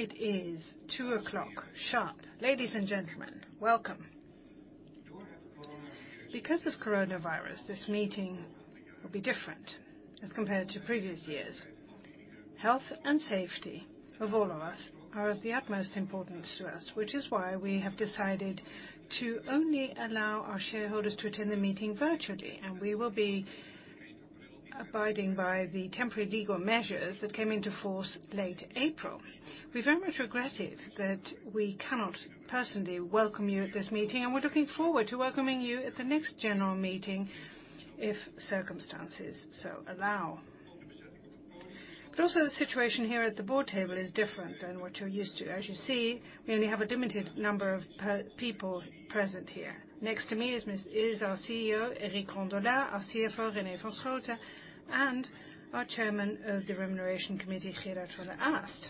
It is two o'clock sharp. Ladies and gentlemen, welcome. Because of coronavirus, this meeting will be different as compared to previous years. Health and safety of all of us are of the utmost importance to us, which is why we have decided to only allow our shareholders to attend the meeting virtually. We will be abiding by the temporary legal measures that came into force late April. We very much regret it that we cannot personally welcome you at this meeting. We're looking forward to welcoming you at the next general meeting if circumstances so allow. Also, the situation here at the board table is different than what you're used to. As you see, we only have a limited number of people present here. Next to me is our CEO, Eric Rondolat, our CFO, René van Schooten, and our Chairman of the Remuneration Committee, Gerard van de Aast.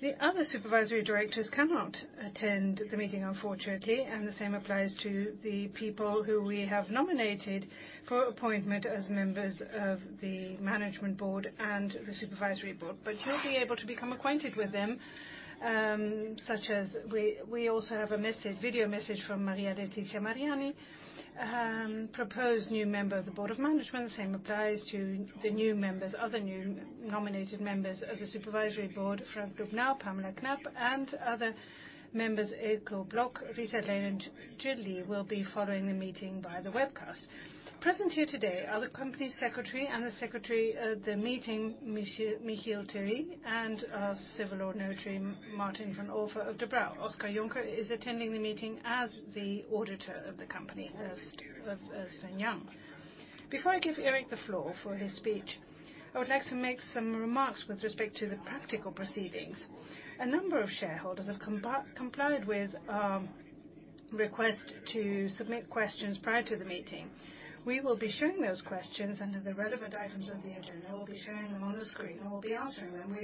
The other supervisory directors cannot attend the meeting, unfortunately, and the same applies to the people who we have nominated for appointment as members of the Management Board and the Supervisory Board. You'll be able to become acquainted with them, such as we also have a video message from Maria Letizia Mariani, proposed new member of the Board of Management. Same applies to the other new nominated members of the Supervisory Board, Frank Lubnau, Pamela Knapp, and other members, Eelco Blok, Rita Lane, will be following the meeting by the webcast. Present here today are the company secretary and the secretary of the meeting, Michiel Thierry, and our Civil Law Notary, Martin van Olffen of De Brauw. Oscar Jonker is attending the meeting as the auditor of the company, Ernst & Young. Before I give Eric the floor for his speech, I would like to make some remarks with respect to the practical proceedings. A number of shareholders have complied with our request to submit questions prior to the meeting. We will be sharing those questions under the relevant items of the agenda. We'll be sharing them on the screen, and we'll be answering them.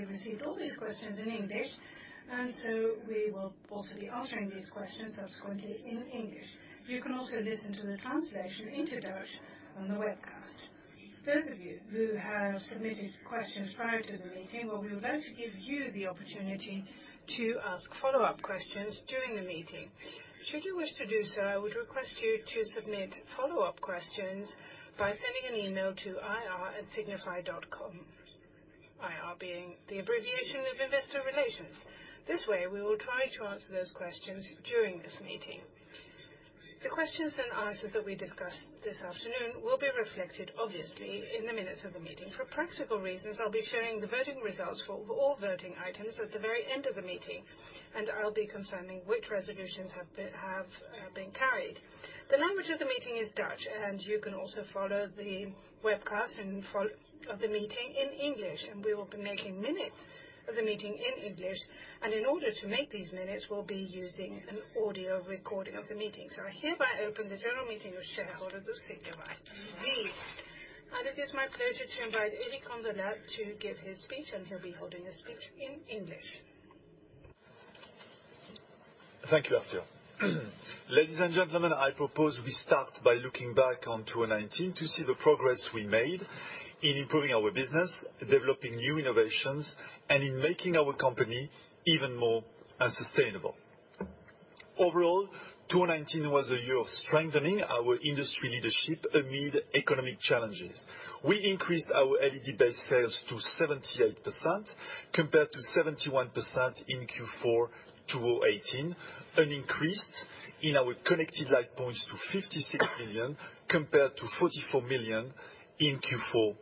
So we will also be answering these questions subsequently in English. You can also listen to the translation into Dutch on the webcast. Those of you who have submitted questions prior to the meeting, well, we would like to give you the opportunity to ask follow-up questions during the meeting. Should you wish to do so, I would request you to submit follow-up questions by sending an email to ir@signify.com. IR being the abbreviation of investor relations. This way, we will try to answer those questions during this meeting. The questions and answers that we discuss this afternoon will be reflected, obviously, in the minutes of the meeting. For practical reasons, I'll be sharing the voting results for all voting items at the very end of the meeting, and I'll be confirming which resolutions have been carried. The language of the meeting is Dutch, and you can also follow the webcast of the meeting in English. We will be making minutes of the meeting in English, and in order to make these minutes, we'll be using an audio recording of the meeting. I hereby open the general meeting of shareholders of Signify. It is my pleasure to invite Eric Rondolat to give his speech, and he'll be holding a speech in English. Thank you, Arthur. Ladies and gentlemen, I propose we start by looking back on 2019 to see the progress we made in improving our business, developing new innovations, and in making our company even more sustainable. Overall, 2019 was a year of strengthening our industry leadership amid economic challenges. We increased our LED-based sales to 78%, compared to 71% in Q4 2018, an increase in our connected light points to 56 million, compared to 44 million in Q4 2019.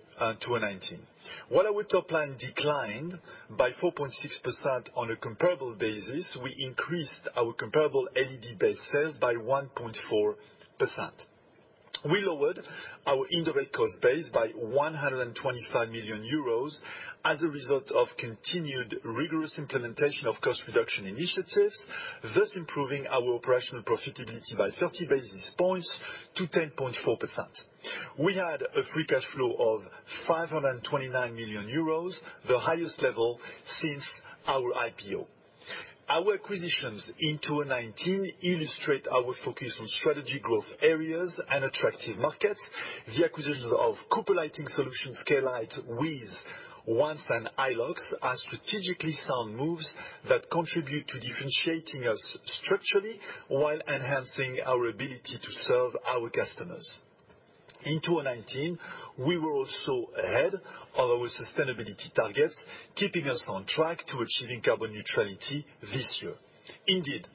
While our top line declined by 4.6% on a comparable basis, we increased our comparable LED-based sales by 1.4%. We lowered our indirect cost base by 125 million euros as a result of continued rigorous implementation of cost reduction initiatives, thus improving our operational profitability by 30 basis points to 10.4%. We had a free cash flow of 529 million euros, the highest level since our IPO. Our acquisitions in 2019 illustrate our focus on strategy growth areas and attractive markets. The acquisitions of Cooper Lighting Solutions, Klite, WiZ, Once and iLOX are strategically sound moves that contribute to differentiating us structurally while enhancing our ability to serve our customers. In 2019, we were also ahead of our sustainability targets, keeping us on track to achieving carbon neutrality this year. Indeed,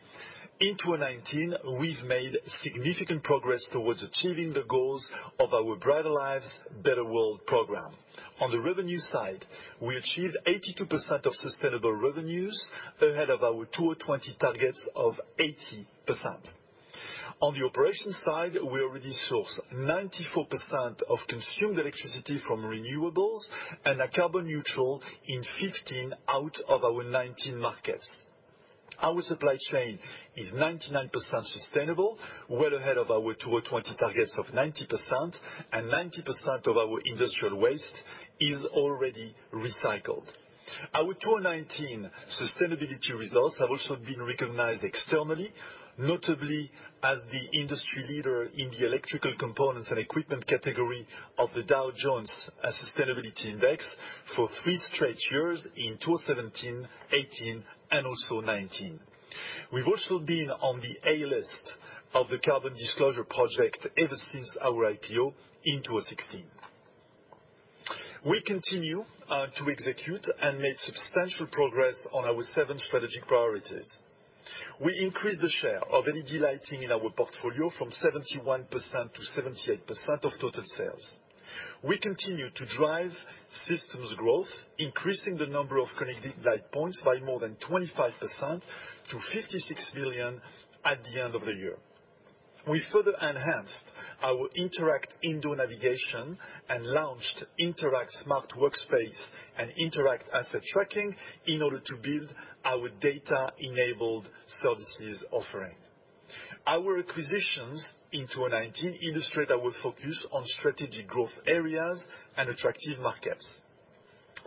in 2019, we've made significant progress towards achieving the goals of our Brighter Lives, Better World program. On the revenue side, we achieved 82% of sustainable revenues ahead of our 2020 targets of 80%. On the operations side, we already source 94% of consumed electricity from renewables and are carbon neutral in 15 out of our 19 markets. Our supply chain is 99% sustainable, well ahead of our 2020 targets of 90%, and 90% of our industrial waste is already recycled. Our 2019 sustainability results have also been recognized externally, notably as the industry leader in the electrical components and equipment category of the Dow Jones Sustainability Index for three straight years in 2017, 2018, and also 2019. We've also been on the A list of the Carbon Disclosure Project ever since our IPO in 2016. We continue to execute and made substantial progress on our seven strategic priorities. We increased the share of LED lighting in our portfolio from 71% to 78% of total sales. We continue to drive systems growth, increasing the number of connected light points by more than 25% to 56 million at the end of the year. We further enhanced our Interact Indoor navigation and launched Interact Smart Workspace and Interact Asset Tracking in order to build our data-enabled services offering. Our acquisitions in 2019 illustrate our focus on strategic growth areas and attractive markets.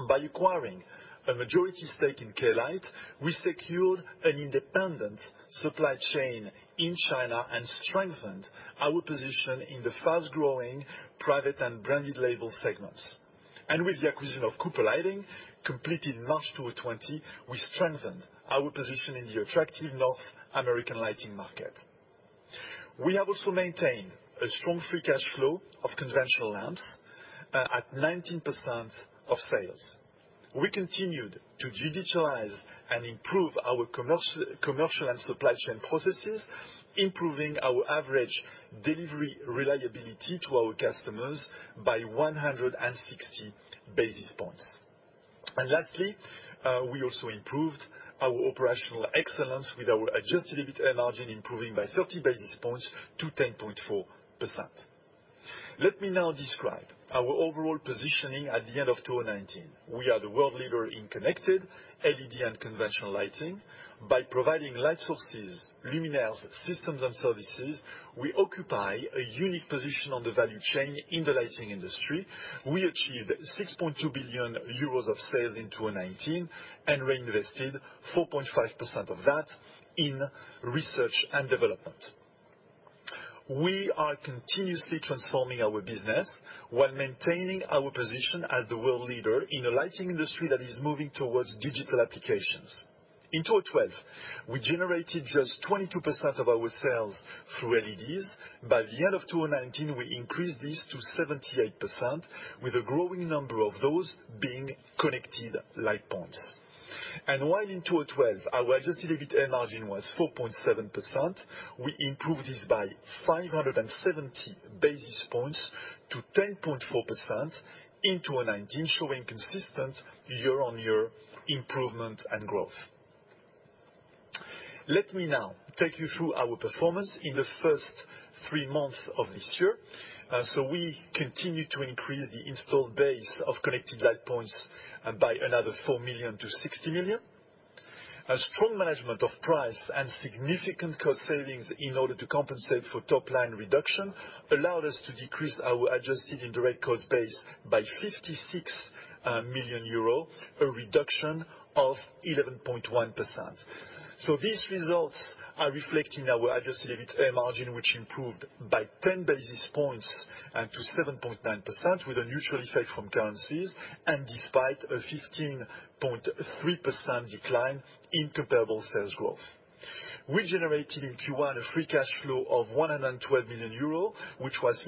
By acquiring a majority stake in Klite, we secured an independent supply chain in China and strengthened our position in the fast-growing private and branded label segments. With the acquisition of Cooper Lighting, completed March 2020, we strengthened our position in the attractive North American lighting market. We have also maintained a strong free cash flow of conventional lamps at 19% of sales. We continued to digitalize and improve our commercial and supply chain processes, improving our average delivery reliability to our customers by 160 basis points. Lastly, we also improved our operational excellence with our adjusted EBITA margin improving by 30 basis points to 10.4%. Let me now describe our overall positioning at the end of 2019. We are the world leader in connected LED and conventional lighting. By providing light sources, luminaires, systems, and services, we occupy a unique position on the value chain in the lighting industry. We achieved 6.2 billion euros of sales in 2019 and reinvested 4.5% of that in research and development. We are continuously transforming our business while maintaining our position as the world leader in a lighting industry that is moving towards digital applications. In 2012, we generated just 22% of our sales through LEDs. By the end of 2019, we increased this to 78%, with a growing number of those being connected light points. While in 2012 our adjusted EBITA margin was 4.7%, we improved this by 570 basis points to 10.4% in 2019, showing consistent year-on-year improvement and growth. Let me now take you through our performance in the first three months of this year. We continue to increase the installed base of connected light points by another 4 million to 60 million. A strong management of price and significant cost savings in order to compensate for top-line reduction allowed us to decrease our adjusted indirect cost base by 56 million euro, a reduction of 11.1%. These results are reflected in our adjusted EBITA margin, which improved by 10 basis points to 7.9% with a neutral effect from currencies, and despite a 15.3% decline in comparable sales growth. We generated in Q1 a free cash flow of 112 million euro, which was,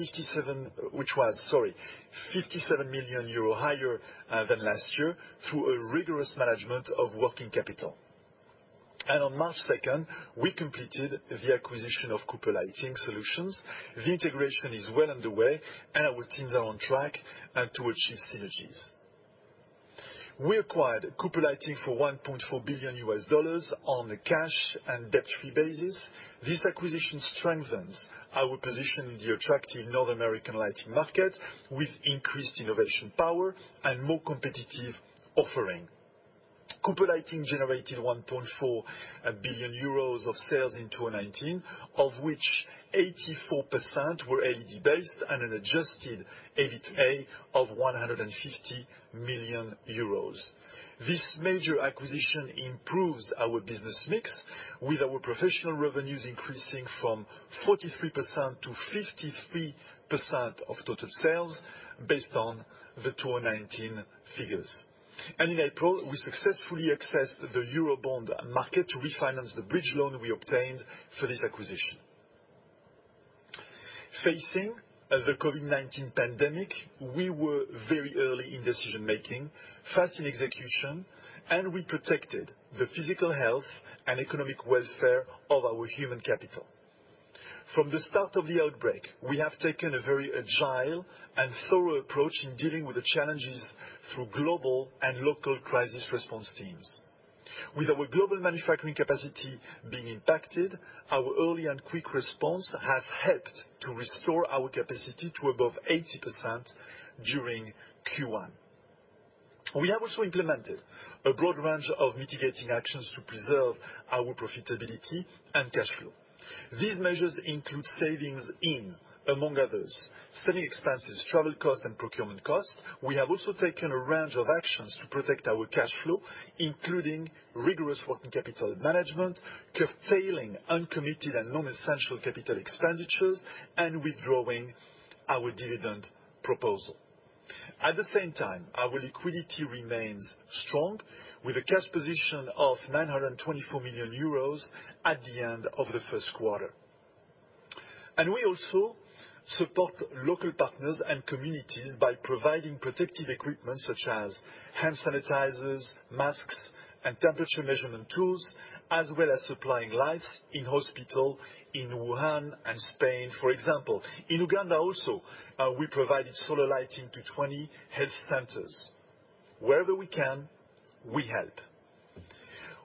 sorry, 57 million euro higher than last year through a rigorous management of working capital. On March 2nd, we completed the acquisition of Cooper Lighting Solutions. The integration is well underway, and our teams are on track to achieve synergies. We acquired Cooper Lighting for $1.4 billion on a cash and debt-free basis. This acquisition strengthens our position in the attractive North American lighting market with increased innovation power and more competitive offering. Cooper Lighting generated 1.4 billion euros of sales in 2019, of which 84% were LED based and an adjusted EBITA of 150 million euros. This major acquisition improves our business mix with our professional revenues increasing from 43% to 53% of total sales, based on the 2019 figures. In April, we successfully accessed the Eurobond market to refinance the bridge loan we obtained for this acquisition. Facing the COVID-19 pandemic, we were very early in decision-making, fast in execution, and we protected the physical health and economic welfare of our human capital. From the start of the outbreak, we have taken a very agile and thorough approach in dealing with the challenges through global and local crisis response teams. With our global manufacturing capacity being impacted, our early and quick response has helped to restore our capacity to above 80% during Q1. We have also implemented a broad range of mitigating actions to preserve our profitability and cash flow. These measures include savings in, among others, selling expenses, travel costs, and procurement costs. We have also taken a range of actions to protect our cash flow, including rigorous working capital management, curtailing uncommitted and non-essential capital expenditures, and withdrawing our dividend proposal. At the same time, our liquidity remains strong with a cash position of 924 million euros at the end of the first quarter. We also support local partners and communities by providing protective equipment such as hand sanitizers, masks, and temperature measurement tools, as well as supplying lights in hospital in Wuhan and Spain, for example. In Uganda also, we provided solar lighting to 20 health centers. Wherever we can, we help.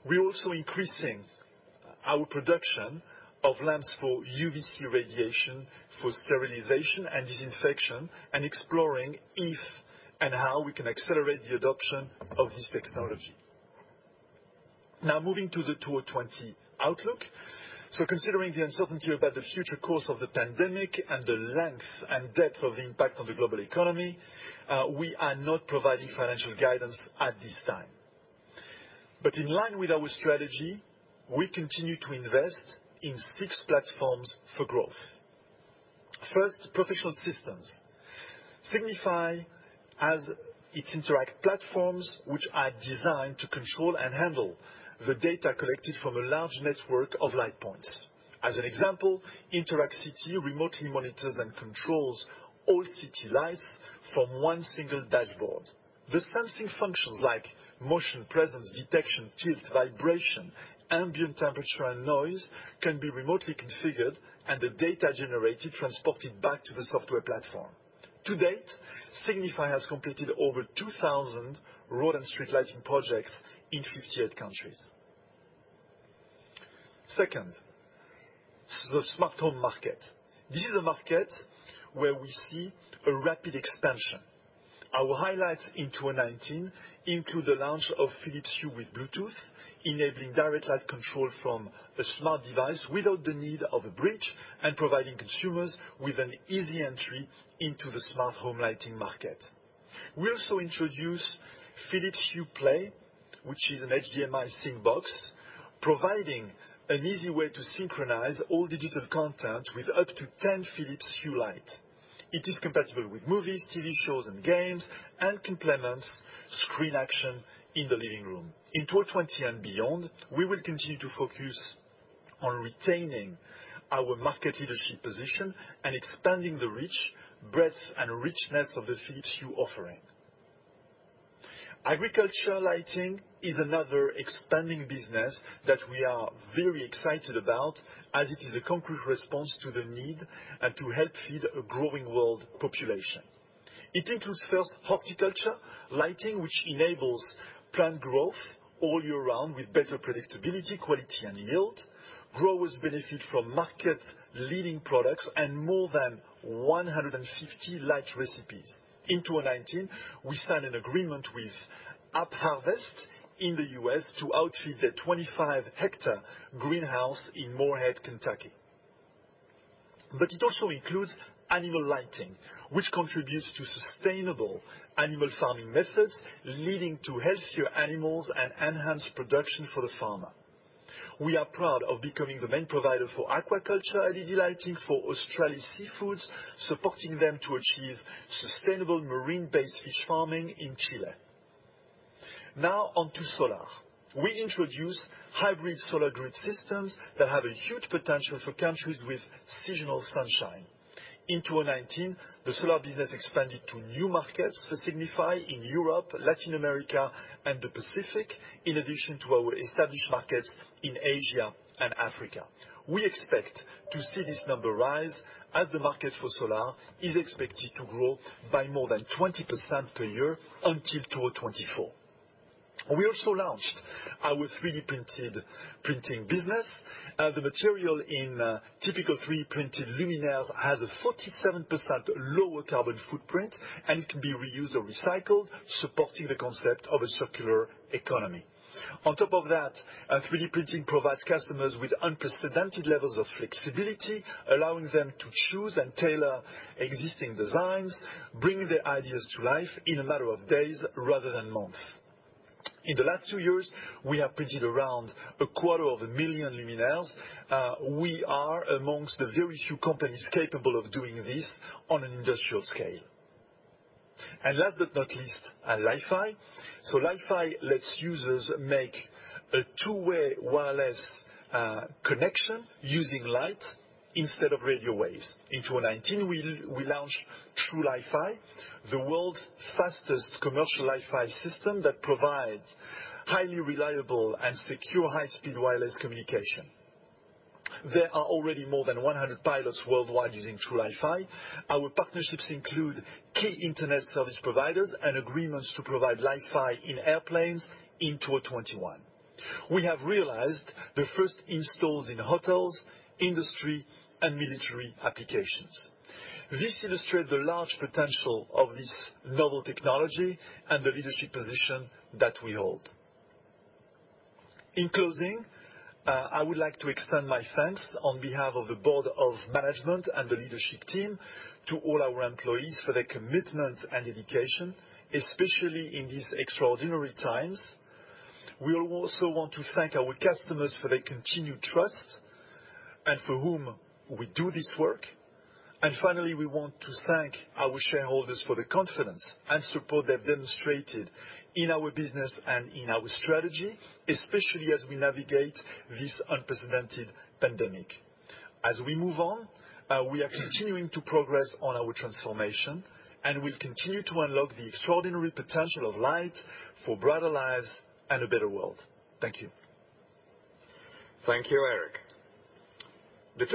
We're also increasing our production of lamps for UVC radiation for sterilization and disinfection, and exploring if and how we can accelerate the adoption of this technology. Moving to the 2020 outlook. Considering the uncertainty about the future course of the pandemic and the length and depth of the impact on the global economy, we are not providing financial guidance at this time. In line with our strategy, we continue to invest in six platforms for growth. First, professional systems. Signify has its Interact platforms, which are designed to control and handle the data collected from a large network of light points. As an example, Interact City remotely monitors and controls all city lights from one single dashboard. The sensing functions like motion, presence detection, tilt, vibration, ambient temperature, and noise can be remotely configured, and the data generated transported back to the software platform. To date, Signify has completed over 2,000 road and street lighting projects in 58 countries. Second, the smart home market. This is a market where we see a rapid expansion. Our highlights in 2019 include the launch of Philips Hue with Bluetooth, enabling direct light control from a smart device without the need of a bridge, and providing consumers with an easy entry into the smart home lighting market. We also introduced Philips Hue Play, which is an HDMI sync box, providing an easy way to synchronize all digital content with up to 10 Philips Hue lights. It is compatible with movies, TV shows, and games, and complements screen action in the living room. In 2020 and beyond, we will continue to focus on retaining our market leadership position and expanding the reach, breadth, and richness of the Philips Hue offering. Agriculture lighting is another expanding business that we are very excited about as it is a concrete response to the need and to help feed a growing world population. It includes first horticulture lighting, which enables plant growth all year round with better predictability, quality, and yield. Growers benefit from market-leading products and more than 150 light recipes. In 2019, we signed an agreement with AppHarvest in the U.S. to outfit their 25-hectare greenhouse in Morehead, Kentucky. It also includes animal lighting, which contributes to sustainable animal farming methods, leading to healthier animals and enhanced production for the farmer. We are proud of becoming the main provider for aquaculture LED lighting for Australis Seafoods, supporting them to achieve sustainable marine-based fish farming in Chile. Now on to solar. We introduced hybrid solar grid systems that have a huge potential for countries with seasonal sunshine. In 2019, the solar business expanded to new markets for Signify in Europe, Latin America, and the Pacific, in addition to our established markets in Asia and Africa. We expect to see this number rise as the market for solar is expected to grow by more than 20% per year until 2024. We also launched our 3D printing business. The material in typical 3D printing luminaires has a 47% lower carbon footprint, and it can be reused or recycled, supporting the concept of a circular economy. On top of that, 3D printing provides customers with unprecedented levels of flexibility, allowing them to choose and tailor existing designs, bring their ideas to life in a matter of days rather than months. In the last two years, we have printed around a quarter of a million luminaires. We are amongst the very few companies capable of doing this on an industrial scale. Last but not least, Li-Fi. Li-Fi lets users make a two-way wireless connection using light instead of radio waves. In 2019, we launched Trulifi, the world's fastest commercial Li-Fi system that provides highly reliable and secure high-speed wireless communication. There are already more than 100 pilots worldwide using Trulifi. Our partnerships include key internet service providers and agreements to provide Li-Fi in airplanes in 2021. We have realized the first installs in hotels, industry, and military applications. This illustrates the large potential of this novel technology and the leadership position that we hold. In closing, I would like to extend my thanks on behalf of the board of management and the leadership team to all our employees for their commitment and dedication, especially in these extraordinary times. We also want to thank our customers for their continued trust and for whom we do this work. Finally, we want to thank our shareholders for the confidence and support they've demonstrated in our business and in our strategy, especially as we navigate this unprecedented pandemic. As we move on, we are continuing to progress on our transformation, and we'll continue to unlock the extraordinary potential of light for Brighter Lives and a Better World. Thank you. Thank you, Eric. Well,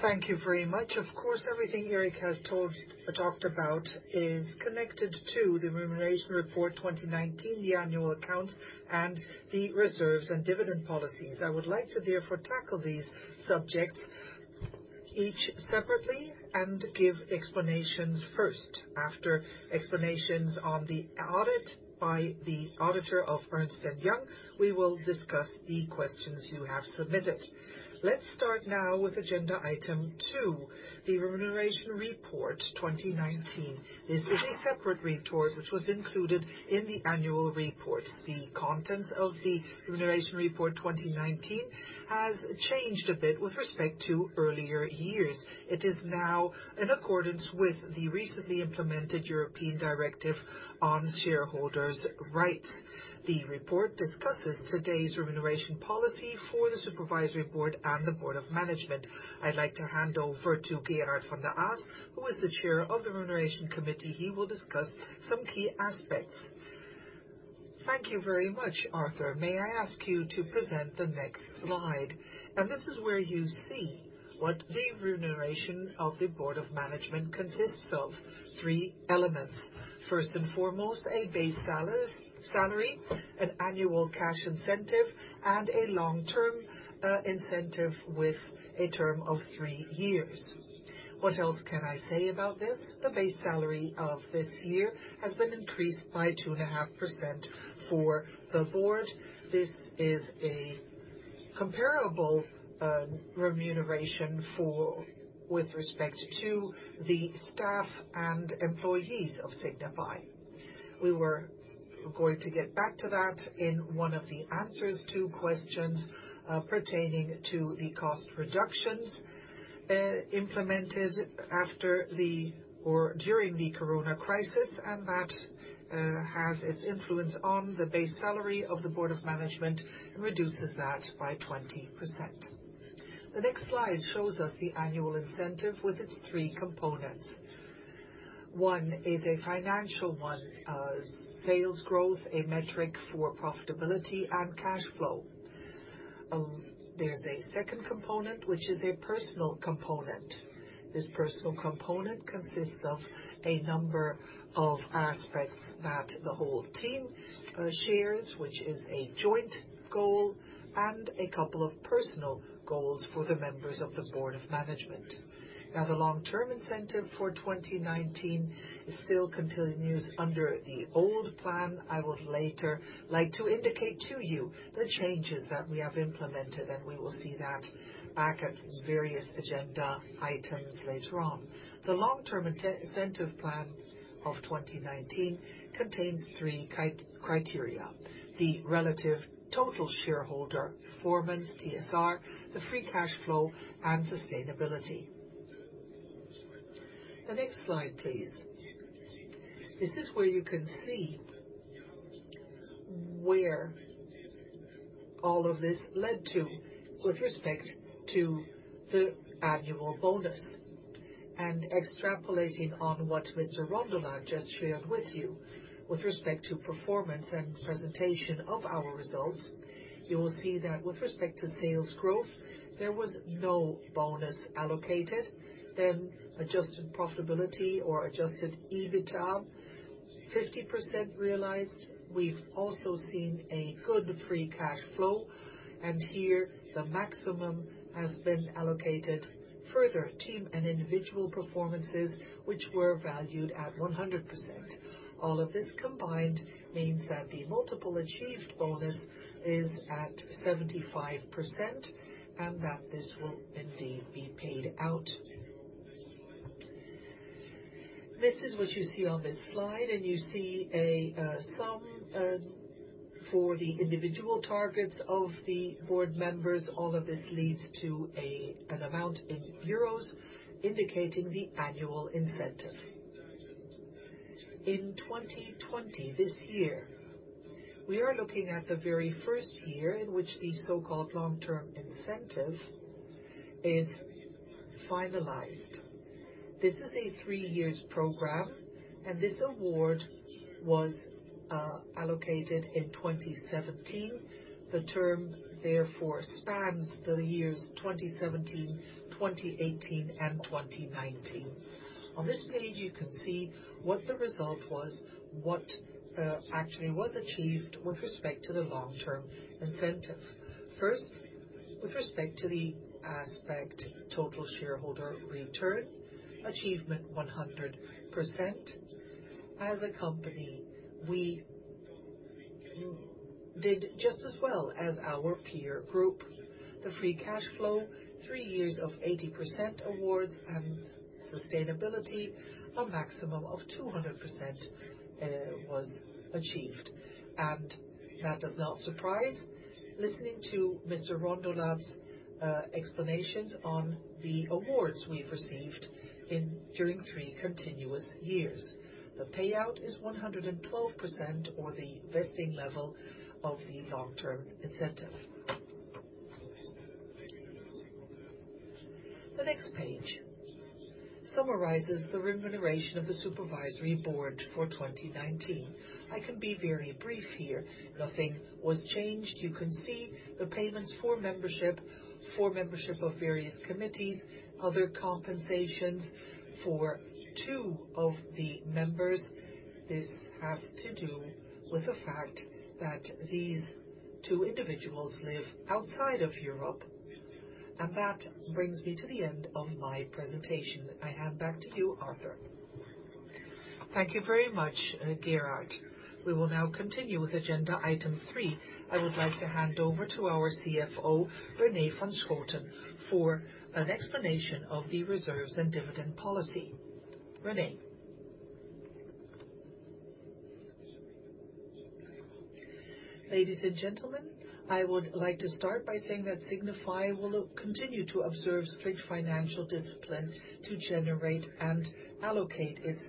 thank you very much. Of course, everything Eric has talked about is connected to the Remuneration Report 2019, the annual accounts, and the reserves and dividend policies. I would like to therefore tackle these subjects each separately and give explanations first. After explanations on the audit by the auditor of Ernst & Young, we will discuss the questions you have submitted. Let's start now with agenda item two, the Remuneration Report 2019. This is a separate report which was included in the annual report. The contents of the Remuneration Report 2019 has changed a bit with respect to earlier years. It is now in accordance with the recently implemented European Directive on Shareholder Rights. The report discusses today's remuneration policy for the supervisory board and the board of management. I'd like to hand over to Gerard van de Aast, who is the chair of the Remuneration Committee. He will discuss some key aspects. Thank you very much, Arthur. May I ask you to present the next slide? This is where you see what the remuneration of the board of management consists of 3 elements. First and foremost, a base salary, an annual cash incentive, and a long-term incentive with a term of 3 years. What else can I say about this? The base salary of this year has been increased by 2.5% for the board. This is a comparable remuneration with respect to the staff and employees of Signify. We were going to get back to that in one of the answers to questions pertaining to the cost reductions implemented during the COVID-19 crisis, and that has its influence on the base salary of the board of management and reduces that by 20%. The next slide shows us the annual incentive with its 3 components. One is a financial one, sales growth, a metric for profitability, and cash flow. There is a second component, which is a personal component. This personal component consists of a number of aspects that the whole team shares, which is a joint goal, and a couple of personal goals for the members of the board of management. The long-term incentive for 2019 still continues under the old plan. I would later like to indicate to you the changes that we have implemented, and we will see that back at various agenda items later on. The long-term incentive plan of 2019 contains three criteria, the relative total shareholder performance, TSR, the free cash flow, and sustainability. The next slide, please. This is where you can see where all of this led to with respect to the annual bonus. Extrapolating on what Mr. Rondolat just shared with you with respect to performance and presentation of our results, you will see that with respect to sales growth, there was no bonus allocated. Adjusted profitability or adjusted EBITA, 50% realized. We've also seen a good free cash flow, and here the maximum has been allocated. Further, team and individual performances, which were valued at 100%. All of this combined means that the multiple achieved bonus is at 75% and that this will indeed be paid out. This is what you see on this slide, and you see a sum for the individual targets of the board members. All of this leads to an amount in euros indicating the annual incentive. In 2020, this year, we are looking at the very first year in which the so-called long-term incentive is finalized. This is a three years program, and this award was allocated in 2017. The term therefore spans the years 2017, 2018, and 2019. On this page, you can see what the result was, what actually was achieved with respect to the long-term incentive. First, with respect to the aspect Total Shareholder Return, achievement 100%. As a company, we did just as well as our peer group. The free cash flow, three years of 80% awards and sustainability, a maximum of 200% was achieved. That does not surprise, listening to Mr. Rondolat's explanations on the awards we've received during three continuous years. The payout is 112%, or the vesting level of the long-term incentive. The next page summarizes the remuneration of the Supervisory Board for 2019. I can be very brief here. Nothing was changed. You can see the payments for membership, for membership of various committees, other compensations for two of the members. This has to do with the fact that these two individuals live outside of Europe. That brings me to the end of my presentation.I hand back to you, Arthur. Thank you very much, Gerard. We will now continue with agenda item three. I would like to hand over to our CFO, René van Schooten, for an explanation of the reserves and dividend policy. René. Ladies and gentlemen, I would like to start by saying that Signify will continue to observe strict financial discipline to generate and allocate its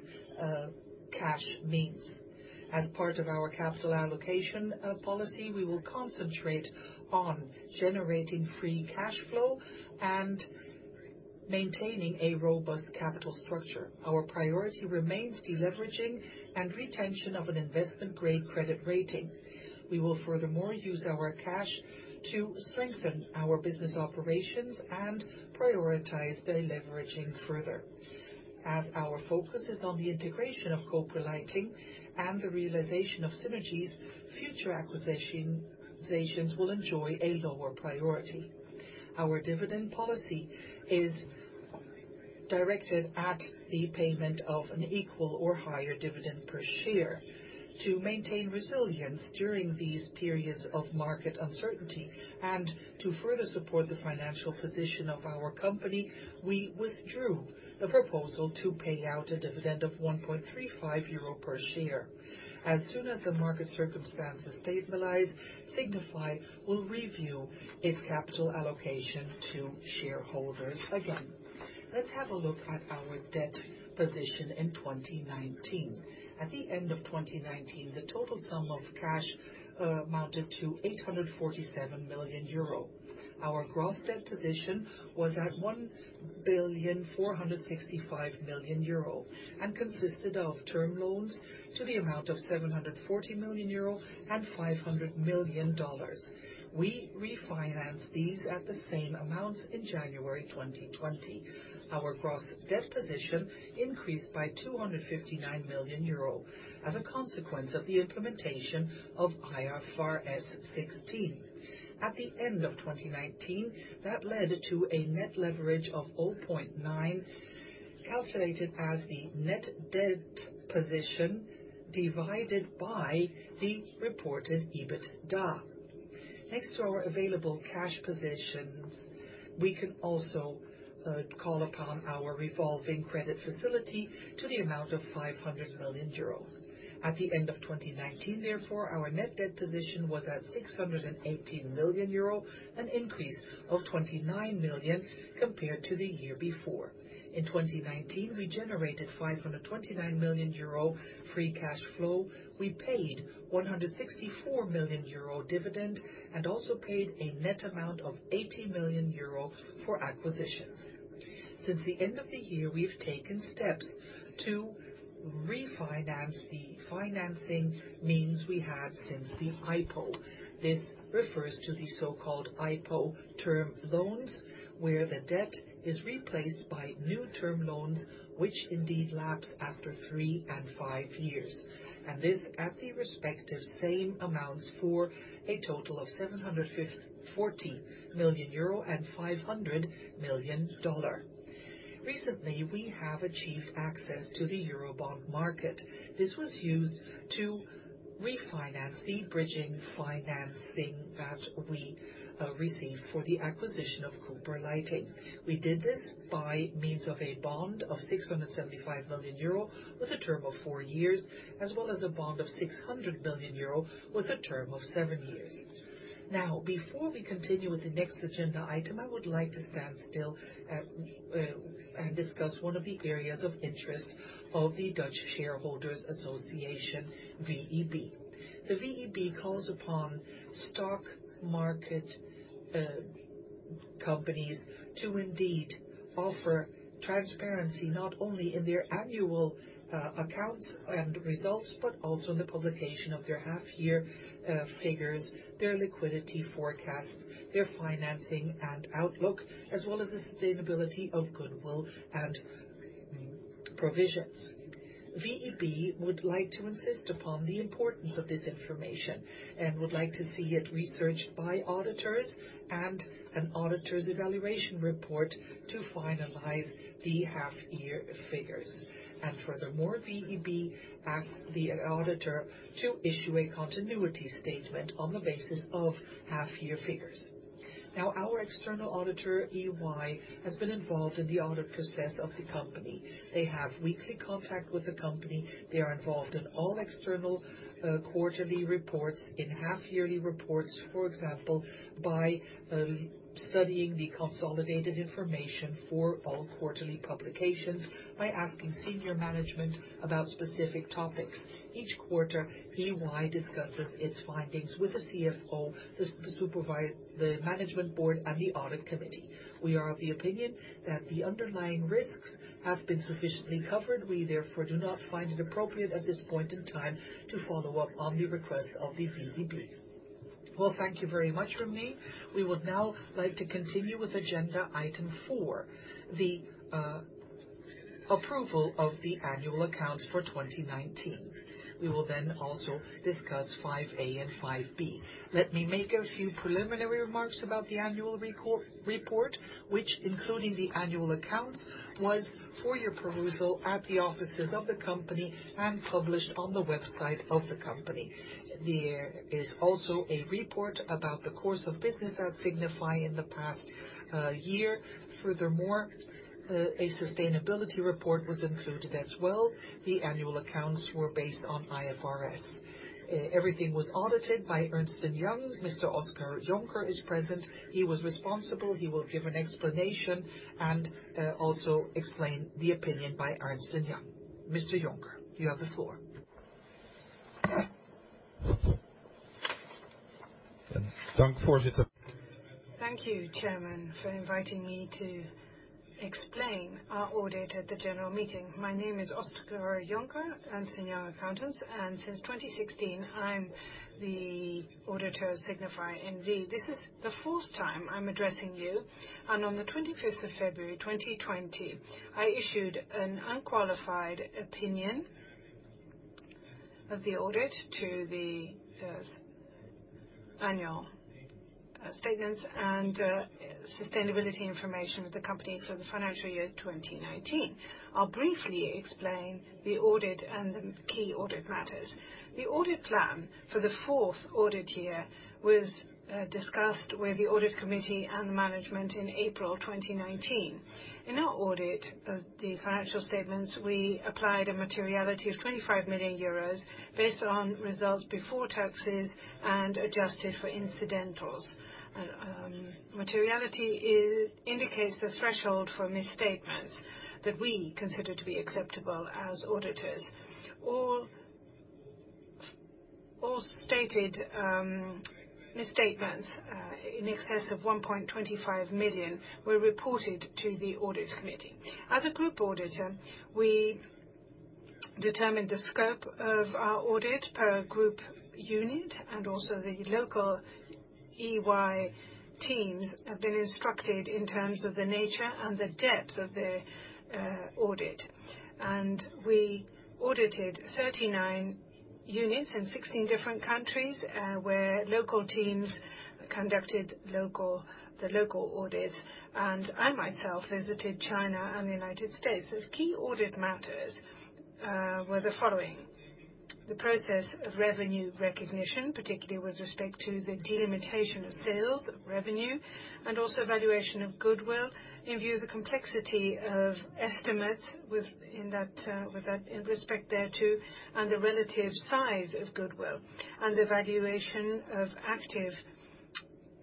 cash means. As part of our capital allocation policy, we will concentrate on generating free cash flow and maintaining a robust capital structure. Our priority remains deleveraging and retention of an investment-grade credit rating. We will furthermore use our cash to strengthen our business operations and prioritize deleveraging further. As our focus is on the integration of Cooper Lighting and the realization of synergies, future acquisitions will enjoy a lower priority. Our dividend policy is directed at the payment of an equal or higher dividend per share. To maintain resilience during these periods of market uncertainty and to further support the financial position of our company, we withdrew the proposal to pay out a dividend of 1.35 euro per share. As soon as the market circumstances stabilize, Signify will review its capital allocation to shareholders again. Let's have a look at our debt position in 2019. At the end of 2019, the total sum of cash amounted to 847 million euro. Our gross debt position was at 1,465 million euro and consisted of term loans to the amount of 740 million euro and $500 million. We refinanced these at the same amounts in January 2020. Our gross debt position increased by 259 million euro as a consequence of the implementation of IFRS 16. At the end of 2019, that led to a net leverage of 0.9, calculated as the net debt position divided by the reported EBITDA. Next to our available cash positions, we can also call upon our revolving credit facility to the amount of 500 million euros. At the end of 2019, therefore, our net debt position was at 618 million euro, an increase of 29 million compared to the year before. In 2019, we generated 529 million euro free cash flow. We paid 164 million euro dividend and also paid a net amount of 80 million euro for acquisitions. Since the end of the year, we've taken steps to refinance the financing means we had since the IPO. This refers to the so-called IPO term loans, where the debt is replaced by new term loans, which indeed lapse after three and five years. This at the respective same amounts for a total of 740 million euro and $500 million. Recently, we have achieved access to the Eurobond market. This was used to refinance the bridging financing that we received for the acquisition of Cooper Lighting. We did this by means of a bond of 675 million euro with a term of four years, as well as a bond of 600 million euro with a term of seven years. Before we continue with the next agenda item, I would like to stand still and discuss one of the areas of interest of the Dutch Shareholders Association, VEB. The VEB calls upon stock market companies to indeed offer transparency not only in their annual accounts and results, but also in the publication of their half-year figures, their liquidity forecast, their financing and outlook, as well as the sustainability of goodwill and provisions. VEB would like to insist upon the importance of this information and would like to see it researched by auditors and an auditor's evaluation report to finalize the half-year figures. Furthermore, VEB asks the auditor to issue a continuity statement on the basis of half-year figures. Our external auditor, EY, has been involved in the audit process of the company. They have weekly contact with the company. They are involved in all external quarterly reports, in half-yearly reports, for example, by studying the consolidated information for all quarterly publications by asking senior management about specific topics. Each quarter, EY discusses its findings with the CFO to supervise the management board and the audit committee. We are of the opinion that the underlying risks have been sufficiently covered. We therefore do not find it appropriate at this point in time to follow up on the request of the VEB. Well, thank you very much, René. We would now like to continue with agenda item four, the approval of the annual accounts for 2019. We will then also discuss 5A and 5B. Let me make a few preliminary remarks about the annual report, which including the annual accounts, was for your perusal at the offices of the company and published on the website of the company. There is also a report about the course of business at Signify in the past year. Furthermore, a sustainability report was included as well. The annual accounts were based on IFRS. Everything was audited by Ernst & Young. Mr. Oscar Jonker is present. He was responsible. He will give an explanation and also explain the opinion by Ernst & Young. Mr. Jonker, you have the floor. Thank you, Chairman. Thank you, Chairman, for inviting me to explain our audit at the general meeting. My name is Oscar Jonker, Ernst & Young accountants. Since 2016, I'm the auditor of Signify NV. This is the fourth time I'm addressing you. On the 25th of February 2020, I issued an unqualified opinion of the audit to the annual statements and sustainability information of the company for the financial year 2019. I'll briefly explain the audit and the key audit matters. The audit plan for the fourth audit year was discussed with the Audit Committee and management in April 2019. In our audit of the financial statements, we applied a materiality of 25 million euros based on results before taxes and adjusted for incidentals. Materiality indicates the threshold for misstatements that we consider to be acceptable as auditors. All stated misstatements in excess of 1.25 million were reported to the Audit Committee. As a group auditor, we determine the scope of our audit per group unit, also the local EY teams have been instructed in terms of the nature and the depth of the audit. We audited 39 units in 16 different countries, where local teams conducted the local audits, and I myself visited China and the United States. Those key audit matters were the following. The process of revenue recognition, particularly with respect to the delimitation of sales revenue and also valuation of goodwill in view of the complexity of estimates with that in respect thereto and the relative size of goodwill and evaluation of active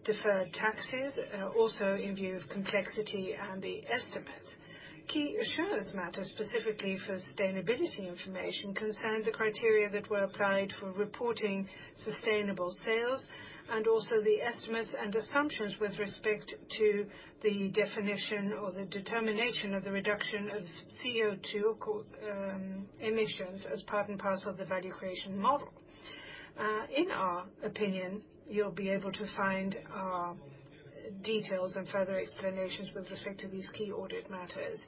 deferred taxes, also in view of complexity and the estimates. Key assurance matters specifically for sustainability information concerns the criteria that were applied for reporting sustainable sales and also the estimates and assumptions with respect to the definition or the determination of the reduction of CO2 emissions as part and parcel of the value creation model. In our opinion, you'll be able to find our details and further explanations with respect to these key audit matters.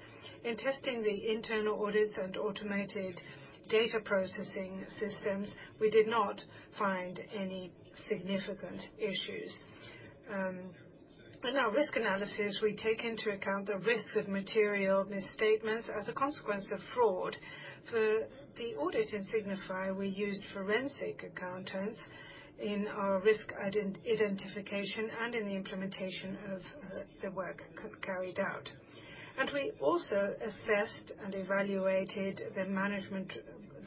In testing the internal audits and automated data processing systems, we did not find any significant issues. In our risk analysis, we take into account the risks of material misstatements as a consequence of fraud. For the audit in Signify, we used forensic accountants in our risk identification and in the implementation of the work carried out. We also assessed and evaluated the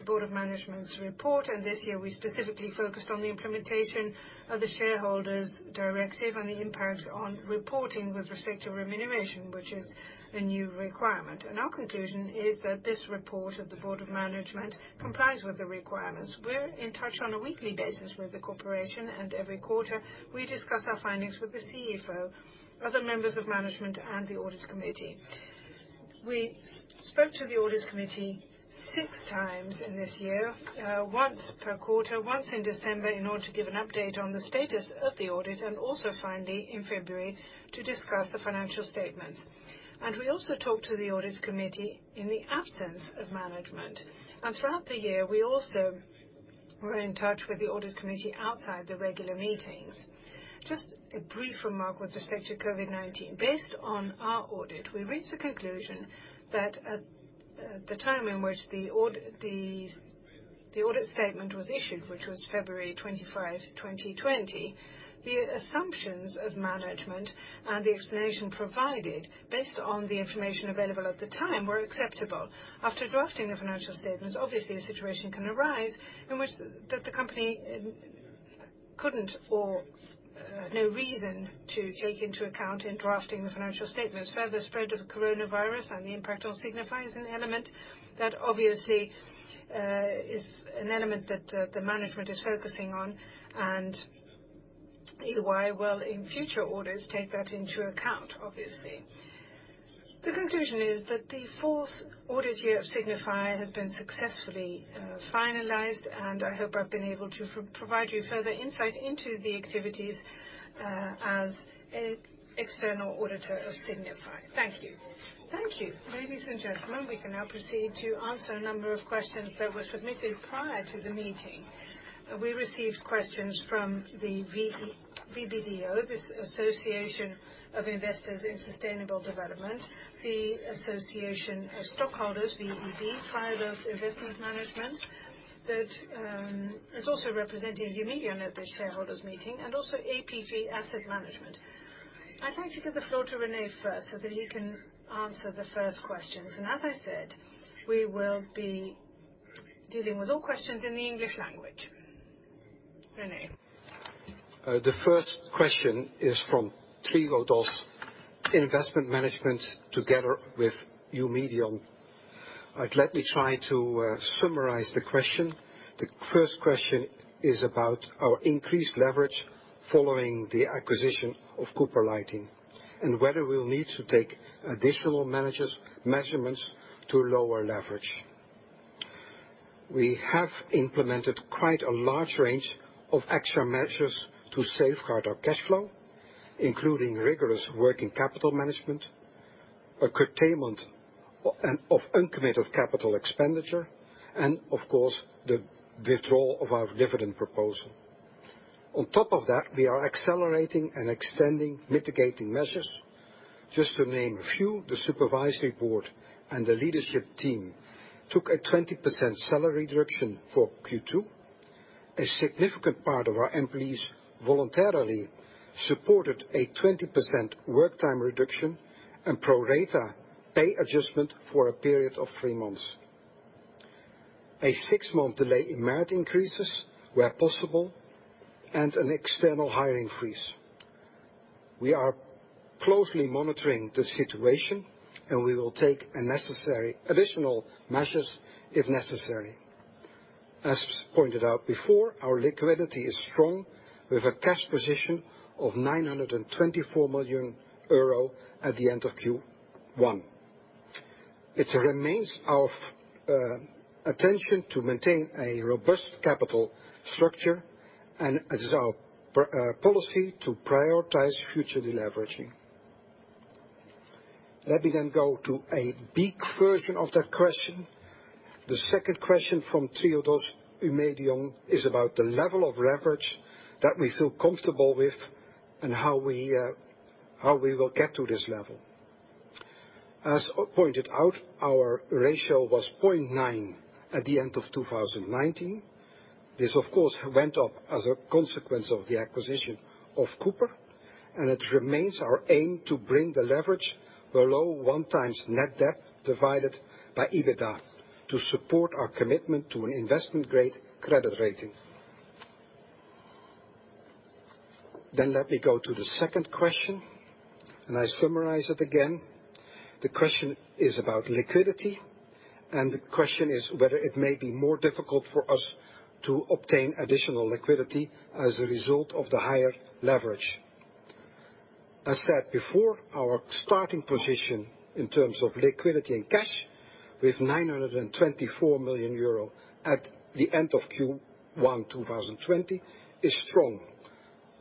Board of Management's report, this year we specifically focused on the implementation of the Shareholder Rights Directive on the impact on reporting with respect to remuneration, which is a new requirement. Our conclusion is that this report of the Board of Management complies with the requirements. We're in touch on a weekly basis with the corporation, and every quarter, we discuss our findings with the CFO, other members of management, and the audit committee. We spoke to the audit committee six times in this year, once per quarter, once in December, in order to give an update on the status of the audit, and also finally in February to discuss the financial statements. We also talked to the audit committee in the absence of management. Throughout the year, we also were in touch with the audit committee outside the regular meetings. Just a brief remark with respect to COVID-19. Based on our audit, we reached the conclusion that at the time in which the audit statement was issued, which was February 25, 2020, the assumptions of management and the explanation provided based on the information available at the time were acceptable. After drafting the financial statements, obviously, a situation can arise in which that the company couldn't or no reason to take into account in drafting the financial statements. Further spread of the coronavirus and the impact on Signify is an element that the management is focusing on, and EY will, in future orders, take that into account, obviously. The conclusion is that the fourth audit year of Signify has been successfully finalized, and I hope I've been able to provide you further insight into the activities as external auditor of Signify. Thank you. Ladies and gentlemen, we can now proceed to answer a number of questions that were submitted prior to the meeting. We received questions from the VBDO, this Association of Investors for Sustainable Development, the Association of Stockholders, VEB, Triodos Investment Management. That is also representing Eumedion at the shareholders' meeting, and also APG Asset Management. I'd like to give the floor to René first so that he can answer the first questions. As I said, we will be dealing with all questions in the English language. René. The first question is from Triodos Investment Management together with Eumedion. Let me try to summarize the question. The first question is about our increased leverage following the acquisition of Cooper Lighting and whether we'll need to take additional measurements to lower leverage. We have implemented quite a large range of extra measures to safeguard our cash flow, including rigorous working capital management, a curtailment of uncommitted capital expenditure, and of course, the withdrawal of our dividend proposal. On top of that, we are accelerating and extending mitigating measures. Just to name a few, the supervisory board and the leadership team took a 20% salary reduction for Q2. A significant part of our employees voluntarily supported a 20% work time reduction and pro-rata pay adjustment for a period of three months. A six-month delay in merit increases where possible, and an external hiring freeze. We are closely monitoring the situation, and we will take additional measures if necessary. As pointed out before, our liquidity is strong with a cash position of 924 million euro at the end of Q1. It remains our attention to maintain a robust capital structure, and it is our policy to prioritize future deleveraging. Let me go to a big version of that question. The second question from Triodos, Eumedion, is about the level of leverage that we feel comfortable with and how we will get to this level. As pointed out, our ratio was 0.9 at the end of 2019. This, of course, went up as a consequence of the acquisition of Cooper, and it remains our aim to bring the leverage below one times net debt divided by EBITDA to support our commitment to an investment-grade credit rating. Let me go to the second question. I summarize it again. The question is about liquidity. The question is whether it may be more difficult for us to obtain additional liquidity as a result of the higher leverage. I said before, our starting position in terms of liquidity and cash with 924 million euro at the end of Q1 2020 is strong.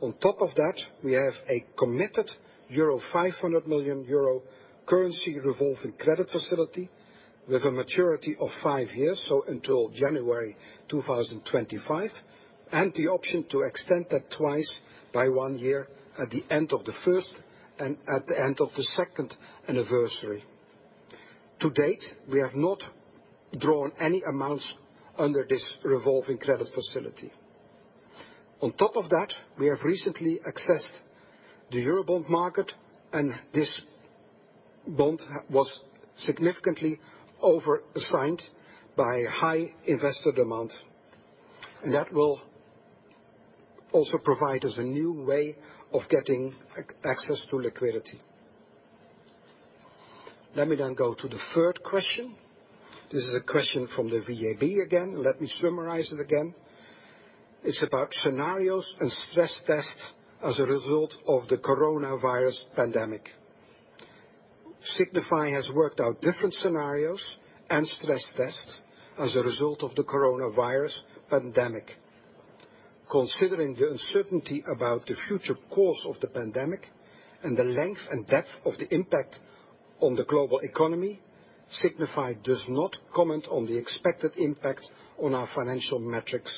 On top of that, we have a committed 500 million euro EUR currency revolving credit facility with a maturity of five years, so until January 2025. The option to extend that twice by one year at the end of the first and at the end of the second anniversary. To date, we have not drawn any amounts under this revolving credit facility. On top of that, we have recently accessed the Eurobond market. This bond was significantly over-signed by high investor demand. That will also provide us a new way of getting access to liquidity. Let me go to the third question. This is a question from the VEB again. Let me summarize it again. It's about scenarios and stress tests as a result of the coronavirus pandemic. Signify has worked out different scenarios and stress tests as a result of the coronavirus pandemic. Considering the uncertainty about the future course of the pandemic and the length and depth of the impact on the global economy, Signify does not comment on the expected impact on our financial metrics.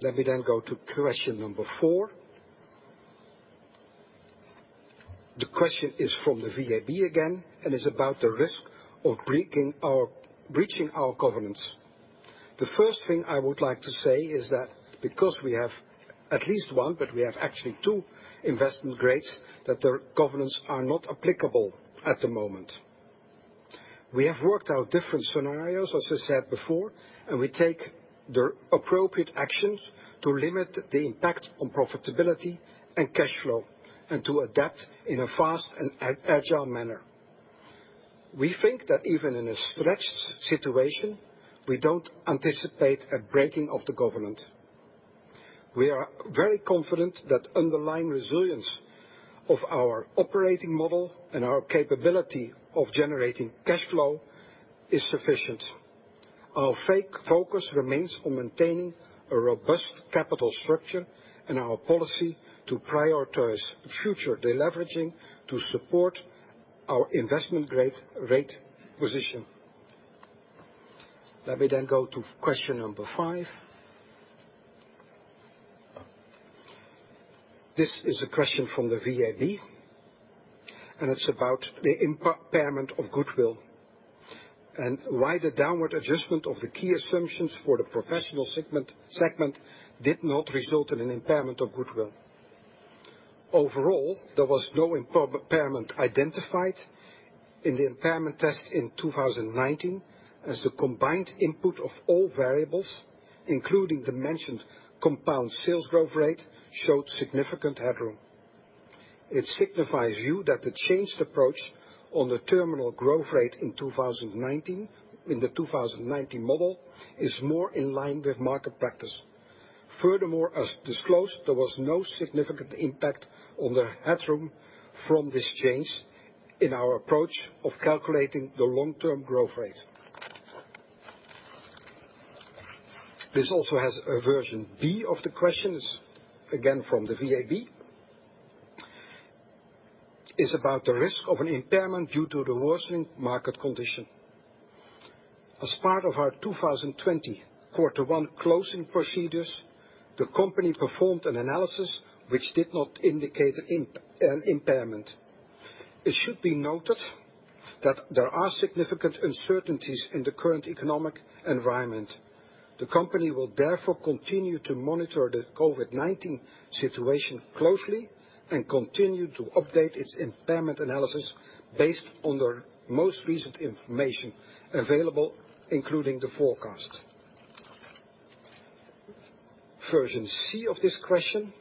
Let me go to question number four. The question is from the VEB again, and is about the risk of breaching our governance. The first thing I would like to say is that because we have at least one, but we have actually two investment grades, that their governance are not applicable at the moment. We have worked out different scenarios, as I said before, and we take the appropriate actions to limit the impact on profitability and cash flow, and to adapt in a fast and agile manner. We think that even in a stretched situation, we don't anticipate a breaking of the governance. We are very confident that underlying resilience of our operating model and our capability of generating cash flow is sufficient. Our focus remains on maintaining a robust capital structure and our policy to prioritize future de-leveraging to support our investment grade rate position. Let me go to question number 5. This is a question from the VEB, and it's about the impairment of goodwill, and why the downward adjustment of the key assumptions for the professional segment did not result in an impairment of goodwill. Overall, there was no impairment identified in the impairment test in 2019 as the combined input of all variables, including the mentioned compound sales growth rate, showed significant headroom. It's Signify's view that the changed approach on the terminal growth rate in the 2019 model is more in line with market practice. As disclosed, there was no significant impact on the headroom from this change in our approach of calculating the long-term growth rate. This also has a version B of the questions, again from the VEB. It is about the risk of an impairment due to the worsening market condition. As part of our 2020 quarter one closing procedures, the company performed an analysis which did not indicate an impairment. It should be noted that there are significant uncertainties in the current economic environment. The company will therefore continue to monitor the COVID-19 situation closely and continue to update its impairment analysis based on the most recent information available, including the forecast. Version C of this question,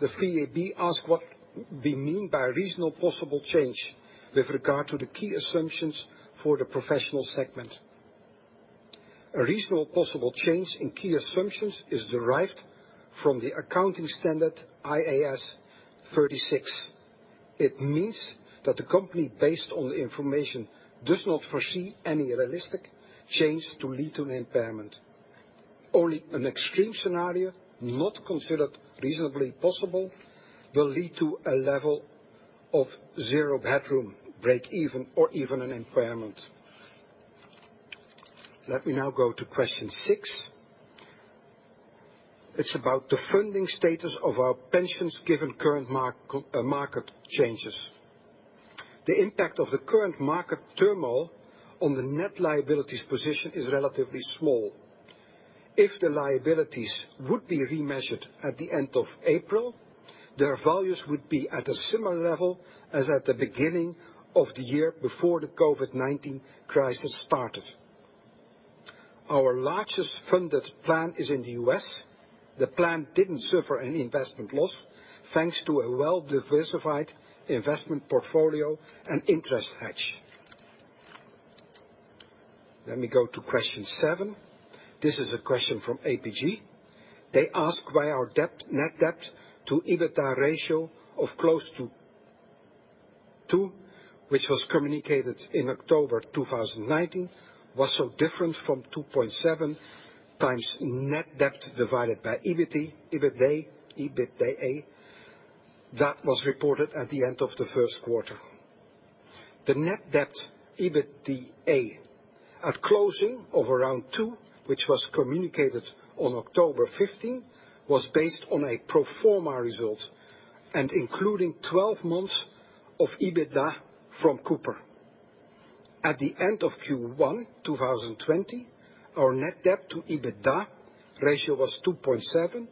the VEB ask what we mean by reasonable possible change with regard to the key assumptions for the professional segment. A reasonable possible change in key assumptions is derived from the accounting standard IAS 36. It means that the company, based on the information, does not foresee any realistic change to lead to an impairment. Only an extreme scenario, not considered reasonably possible, will lead to a level of zero headroom, break even, or even an impairment. Let me now go to question six. It's about the funding status of our pensions given current market changes. The impact of the current market turmoil on the net liabilities position is relatively small. If the liabilities would be remeasured at the end of April, their values would be at a similar level as at the beginning of the year before the COVID-19 crisis started. Our largest funded plan is in the U.S. The plan didn't suffer any investment loss, thanks to a well-diversified investment portfolio and interest hedge. Let me go to question seven. This is a question from APG. They ask why our net debt to EBITDA ratio of close to two, which was communicated in October 2019, was so different from 2.7 times net debt divided by EBITDA that was reported at the end of the first quarter. The net debt EBITDA at closing of around 2, which was communicated on October 15th, was based on a pro forma result and including 12 months of EBITDA from Cooper. At the end of Q1 2020, our net debt to EBITDA ratio was 2.7,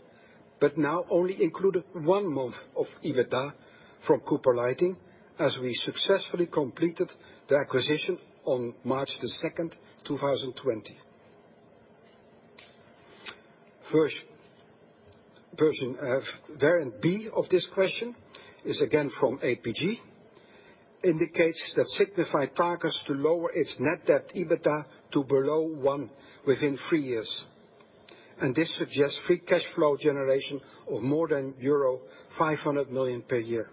now only included one month of EBITDA from Cooper Lighting, as we successfully completed the acquisition on March the 2nd, 2020. Variant B of this question is again from APG indicates that Signify targets to lower its net debt EBITDA to below one within three years. This suggests free cash flow generation of more than euro 500 million per year.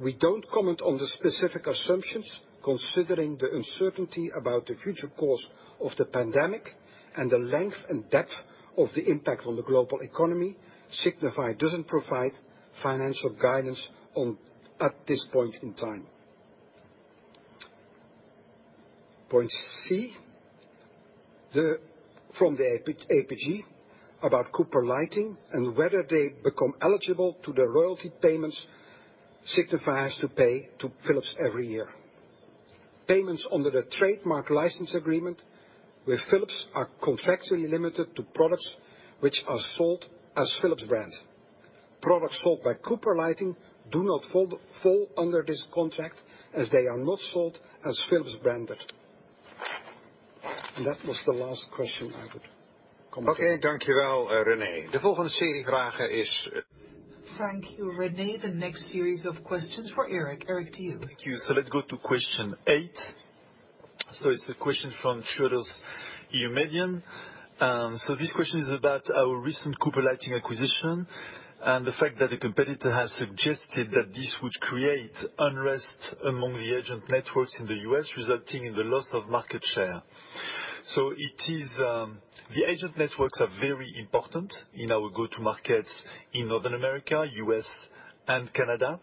We don't comment on the specific assumptions, considering the uncertainty about the future course of the pandemic and the length and depth of the impact on the global economy. Signify doesn't provide financial guidance at this point in time. Point C, from the APG about Cooper Lighting and whether they become eligible to the royalty payments Signify has to pay to Philips every year. Payments under the trademark license agreement with Philips are contractually limited to products which are sold as Philips brand. Products sold by Cooper Lighting do not fall under this contract as they are not sold as Philips branded. That was the last question I would comment on. Okay. Thank you, René. The next series of questions for Eric. Eric, to you. Thank you. Let's go to question eight. This question is about our recent Cooper Lighting acquisition and the fact that a competitor has suggested that this would create unrest among the agent networks in the U.S. resulting in the loss of market share. The agent networks are very important in our go-to markets in Northern America, U.S. and Canada.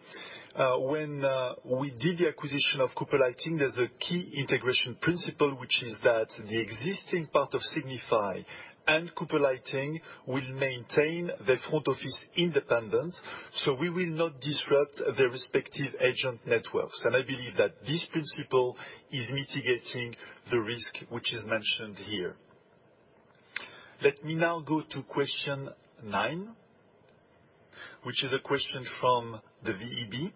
When we did the acquisition of Cooper Lighting, there's a key integration principle, which is that the existing part of Signify and Cooper Lighting will maintain their front office independence. We will not disrupt their respective agent networks. I believe that this principle is mitigating the risk which is mentioned here. Let me now go to question 9, which is a question from the VEB,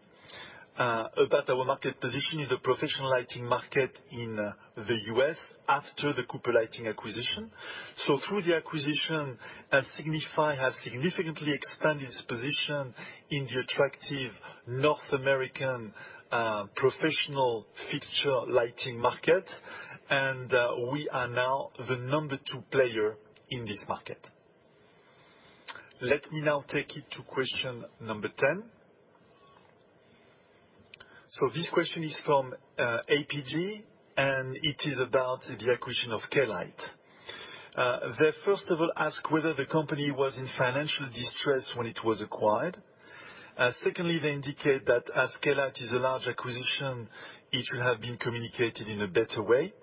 about our market position in the professional lighting market in the U.S. after the Cooper Lighting acquisition. Through the acquisition, Signify has significantly expanded its position in the attractive North American, professional fixture lighting market. We are now the number 2 player in this market. Let me now take it to question number 10. This question is from APG, and it is about the acquisition of Klite. They first of all ask whether the company was in financial distress when it was acquired. Secondly, they indicate that as Klite is a large acquisition, it should have been communicated in a better way.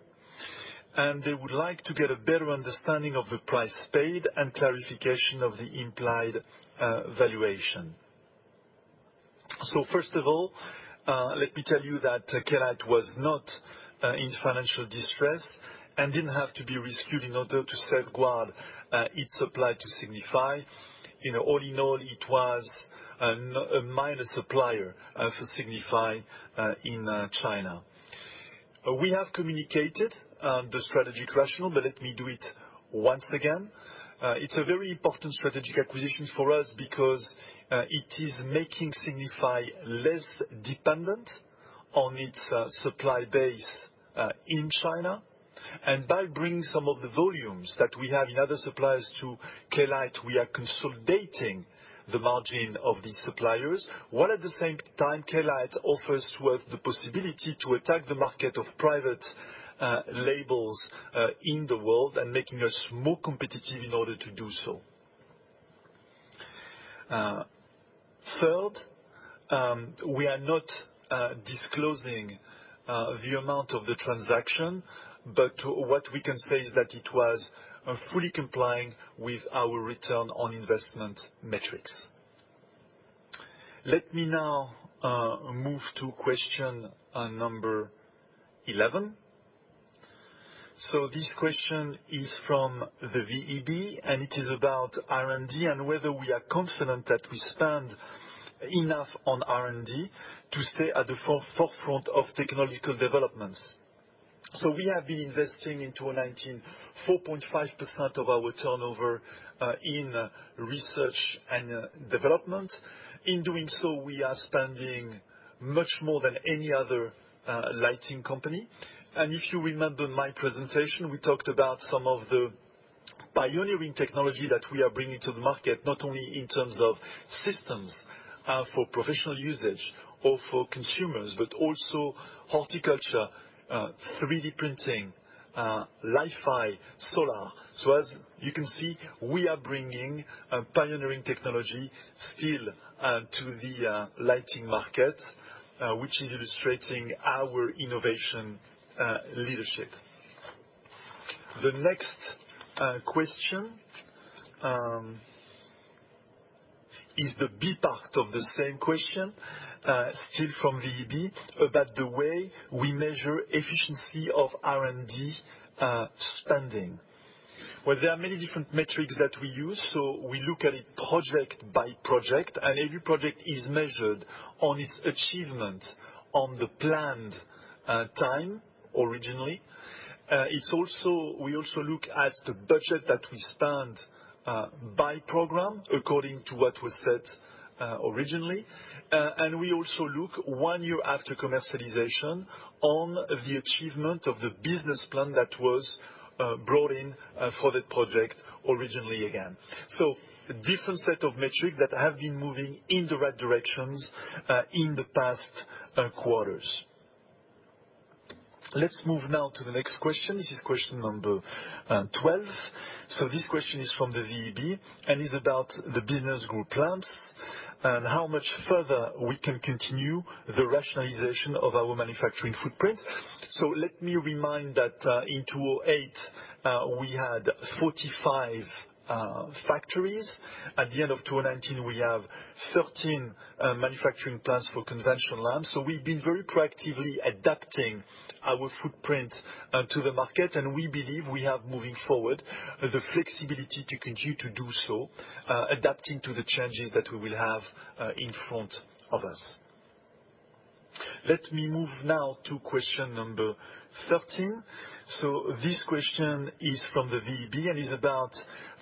They would like to get a better understanding of the price paid and clarification of the implied valuation. First of all, let me tell you that Klite was not in financial distress and didn't have to be rescued in order to safeguard its supply to Signify. All in all, it was a minor supplier for Signify in China. We have communicated the strategic rationale, but let me do it once again. It's a very important strategic acquisition for us because it is making Signify less dependent on its supply base in China. By bringing some of the volumes that we have in other suppliers to Klite, we are consolidating the margin of these suppliers, while at the same time, Klite offers us the possibility to attack the market of private labels in the world and making us more competitive in order to do so. Third, we are not disclosing the amount of the transaction, but what we can say is that it was fully complying with our return on investment metrics. Let me now move to question number 11. This question is from the VEB, and it is about R&D and whether we are confident that we spend enough on R&D to stay at the forefront of technological developments. We have been investing in 2019, 4.5% of our turnover in research and development. In doing so, we are spending much more than any other lighting company. If you remember my presentation, we talked about some of the pioneering technology that we are bringing to the market, not only in terms of systems for professional usage or for consumers, but also horticulture, 3D printing, Li-Fi, solar. As you can see, we are bringing pioneering technology still to the lighting market, which is illustrating our innovation leadership. The next question is the B part of the same question, still from VEB, about the way we measure efficiency of R&D spending. Well, there are many different metrics that we use. We look at it project by project, and every project is measured on its achievement on the planned time originally. We also look at the budget that we spend by program according to what was said originally. We also look one year after commercialization on the achievement of the business plan that was brought in for the project originally again. A different set of metrics that have been moving in the right directions in the past quarters. Let's move now to the next question. This is question number 12. This question is from the VEB, and it's about the business group plans and how much further we can continue the rationalization of our manufacturing footprint. Let me remind that in 2008, we had 45 factories. At the end of 2019, we have 13 manufacturing plants for conventional lamps. We've been very proactively adapting our footprint to the market, and we believe we have, moving forward, the flexibility to continue to do so, adapting to the changes that we will have in front of us. Let me move now to question number 13. This question is from the VEB, and is about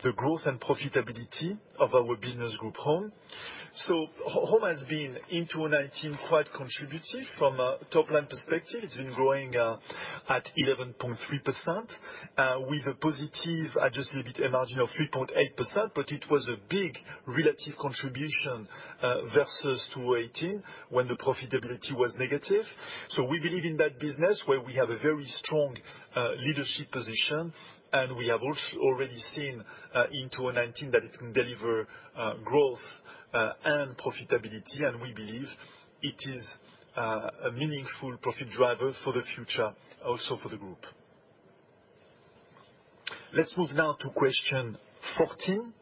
the growth and profitability of our business group Home. Home has been, in 2019, quite contributive from a top-line perspective. It's been growing at 11.3% with a positive adjusted EBITA margin of 3.8%, but it was a big relative contribution versus 2018, when the profitability was negative. We believe in that business where we have a very strong leadership position, and we have also already seen in 2019 that it can deliver growth and profitability, and we believe it is a meaningful profit driver for the future also for the group. Let's move now to question 14.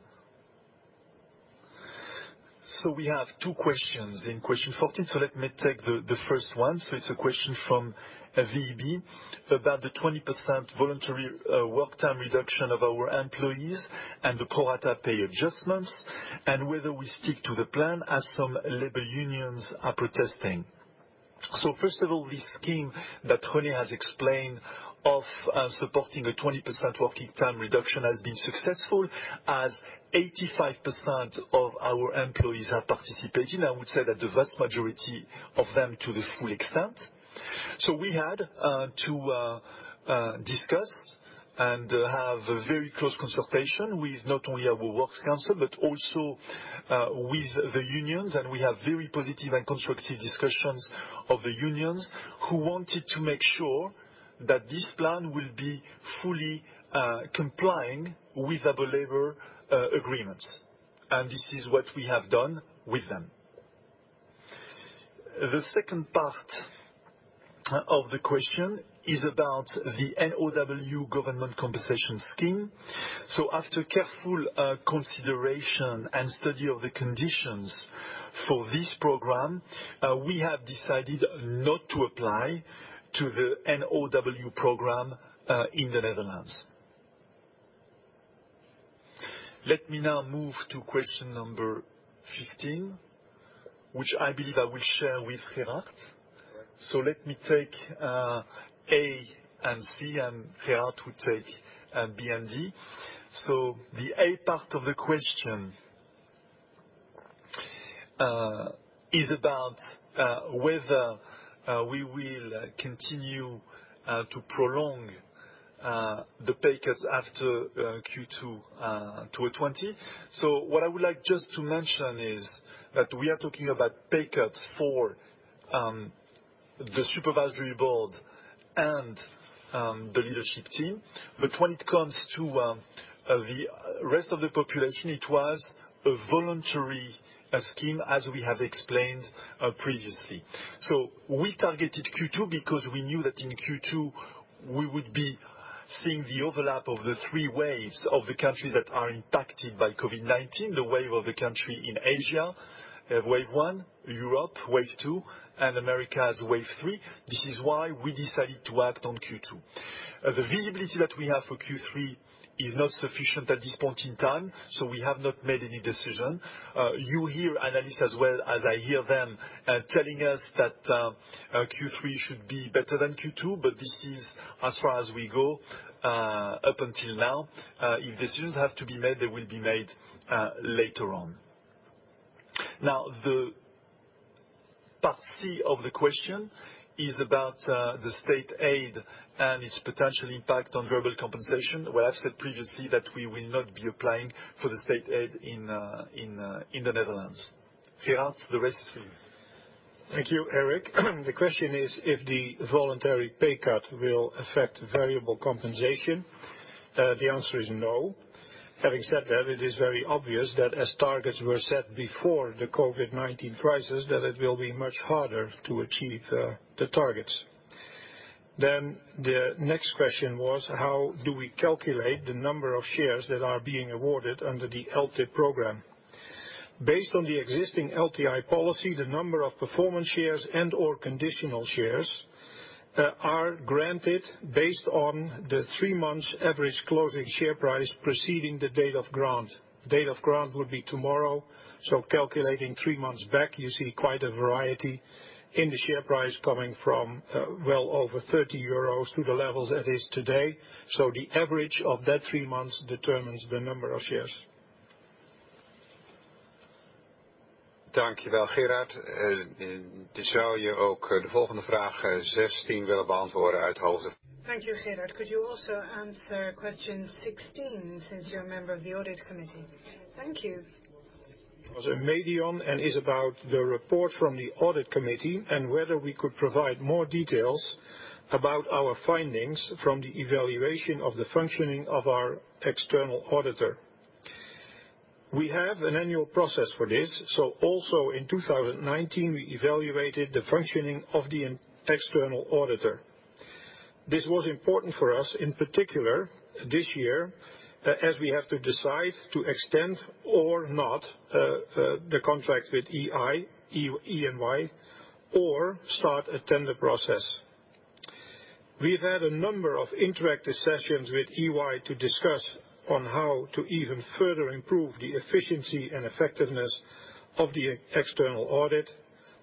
We have two questions in question 14. Let me take the first one. It's a question from VEB about the 20% voluntary work time reduction of our employees and the pro rata pay adjustments, and whether we stick to the plan as some labor unions are protesting. First of all, this scheme that Tony has explained of supporting a 20% working time reduction has been successful as 85% of our employees have participated. I would say that the vast majority of them to the full extent. We had to discuss and have a very close consultation with not only our works council, but also with the unions. We have very positive and constructive discussions of the unions who wanted to make sure that this plan will be fully complying with our labor agreements. This is what we have done with them. The second part of the question is about the NOW government compensation scheme. After careful consideration and study of the conditions for this program, we have decided not to apply to the NOW program in the Netherlands. Let me now move to question number 15, which I believe I will share with Gerard. Let me take A and C, and Gerard will take B and D. The A part of the question is about whether we will continue to prolong the pay cuts after Q2 2020. What I would like just to mention is that we are talking about pay cuts for the supervisory board and the leadership team. When it comes to the rest of the population, it was a voluntary scheme as we have explained previously. We targeted Q2 because we knew that in Q2 we would be seeing the overlap of the three waves of the countries that are impacted by COVID-19, the wave of the country in Asia, wave 1, Europe, wave 2, and America as wave 3. This is why we decided to act on Q2. The visibility that we have for Q3 is not sufficient at this point in time. We have not made any decision. You hear analysts as well as I hear them telling us that Q3 should be better than Q2. This is as far as we go up until now. If decisions have to be made, they will be made later on. The part C of the question is about the state aid and its potential impact on variable compensation, where I've said previously that we will not be applying for the state aid in the Netherlands. Gerard, the rest for you. Thank you, Eric. The question is if the voluntary pay cut will affect variable compensation. The answer is no. Having said that, it is very obvious that as targets were set before the COVID-19 crisis, that it will be much harder to achieve the targets. The next question was how do we calculate the number of shares that are being awarded under the LTIP program? Based on the existing LTI policy, the number of performance shares and/or conditional shares are granted based on the three months average closing share price preceding the date of grant. Date of grant would be tomorrow. Calculating three months back, you see quite a variety in the share price coming from well over 30 euros to the levels it is today. The average of that three months determines the number of shares. Dank je wel, Gerard. Zou je ook de volgende vraag 16 willen beantwoorden uit hoofde. Thank you, Gerard. Could you also answer question 16 since you're a member of the audit committee? Thank you. Eumedion and is about the report from the audit committee and whether we could provide more details about our findings from the evaluation of the functioning of our external auditor. We have an annual process for this, also in 2019, we evaluated the functioning of the external auditor. This was important for us, in particular this year, as we have to decide to extend or not the contract with EY or start a tender process. We've had a number of interactive sessions with EY to discuss on how to even further improve the efficiency and effectiveness of the external audit.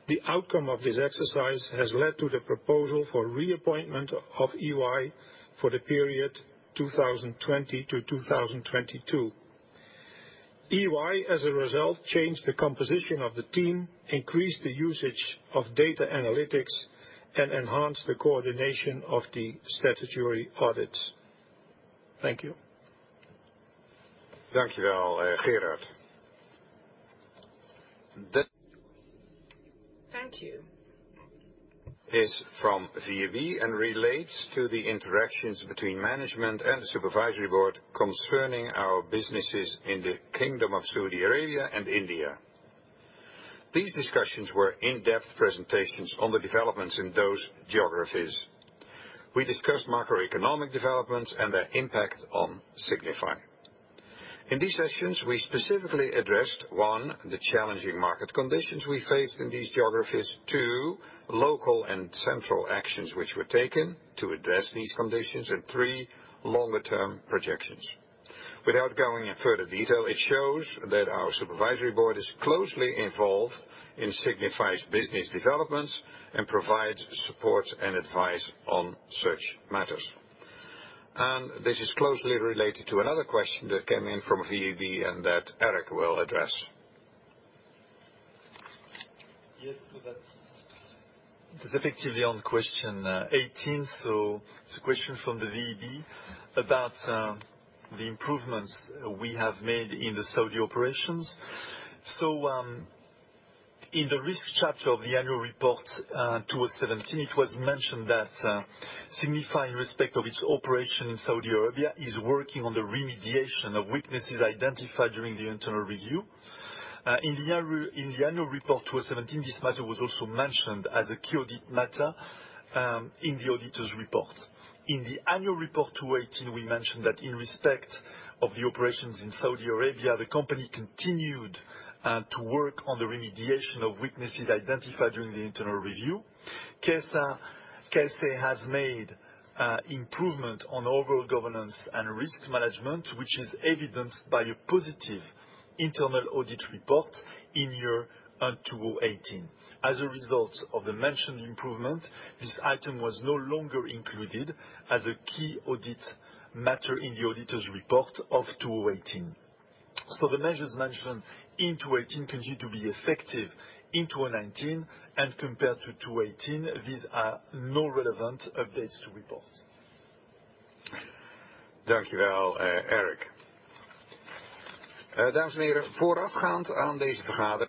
The outcome of this exercise has led to the proposal for reappointment of EY for the period 2020 to 2022. EY, as a result, changed the composition of the team, increased the usage of data analytics, and enhanced the coordination of the statutory audit. Thank you. Dank je wel, Gerard. Thank you. Is from VEB and relates to the interactions between management and the Supervisory Board concerning our businesses in the Kingdom of Saudi Arabia and India. These discussions were in-depth presentations on the developments in those geographies. We discussed macroeconomic developments and their impact on Signify. In these sessions, we specifically addressed, 1, the challenging market conditions we face in these geographies. 2, local and central actions which were taken to address these conditions. 3, longer-term projections. Without going in further detail, it shows that our Supervisory Board is closely involved in Signify's business developments and provides support and advice on such matters. This is closely related to another question that came in from VEB and that Eric will address. Yes. That's effectively on question 18. It's a question from the VEB about the improvements we have made in the Saudi operations. In the risk chapter of the annual report 2017, it was mentioned that Signify, in respect of its operation in Saudi Arabia, is working on the remediation of weaknesses identified during the internal review. In the annual report 2017, this matter was also mentioned as a key audit matter in the auditor's report. In the annual report 2018, we mentioned that in respect of the operations in Saudi Arabia, the company continued to work on the remediation of weaknesses identified during the internal review. KSA has made improvement on overall governance and risk management, which is evidenced by a positive internal audit report in year 2018. As a result of the mentioned improvement, this item was no longer included as a key audit matter in the auditor's report of 2018. The measures mentioned in 2018 continue to be effective in 2019, and compared to 2018, these are no relevant updates to report. Dank je wel, Eric. Dames en heren, voorafgaand aan deze vergadering-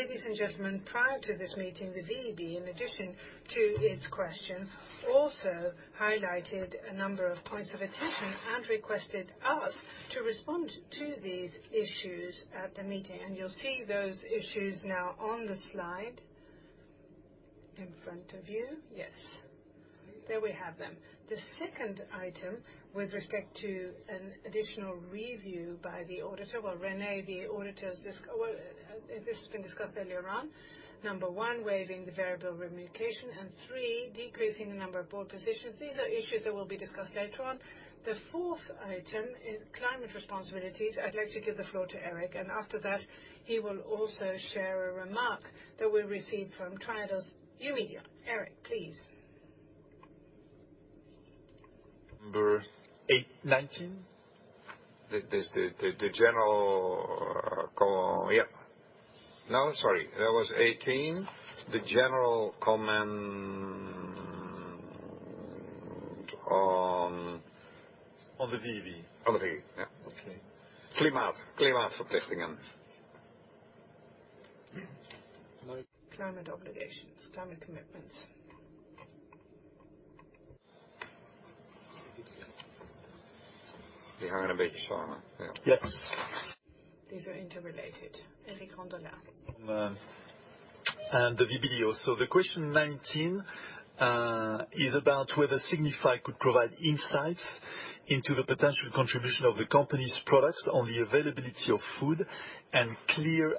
Ladies and gentlemen, prior to this meeting, the VEB, in addition to its question, also highlighted a number of points of attention and requested us to respond to these issues at the meeting. You'll see those issues now on the slide in front of you. Yes. There we have them. The second item with respect to an additional review by the auditor. Well, René, the auditor, this has been discussed earlier on. Number 1, waiving the variable remuneration, and 3, decreasing the number of board positions. These are issues that will be discussed later on. The fourth item is climate responsibilities. I'd like to give the floor to Eric, and after that, he will also share a remark that we received from Triodos and Eumedion. Eric, please. Number- 19? Yeah. No, sorry. That was 18. The general comment on. On the VEB. On the VEB. Yeah. Okay. Klimaatverplichtingen. Climate obligations, climate commitments. Die hangen een beetje samen. Yes. These are interrelated. Eric Rondolat. The VEB. The question 19, is about whether Signify could provide insights into the potential contribution of the company's products on the availability of food and clean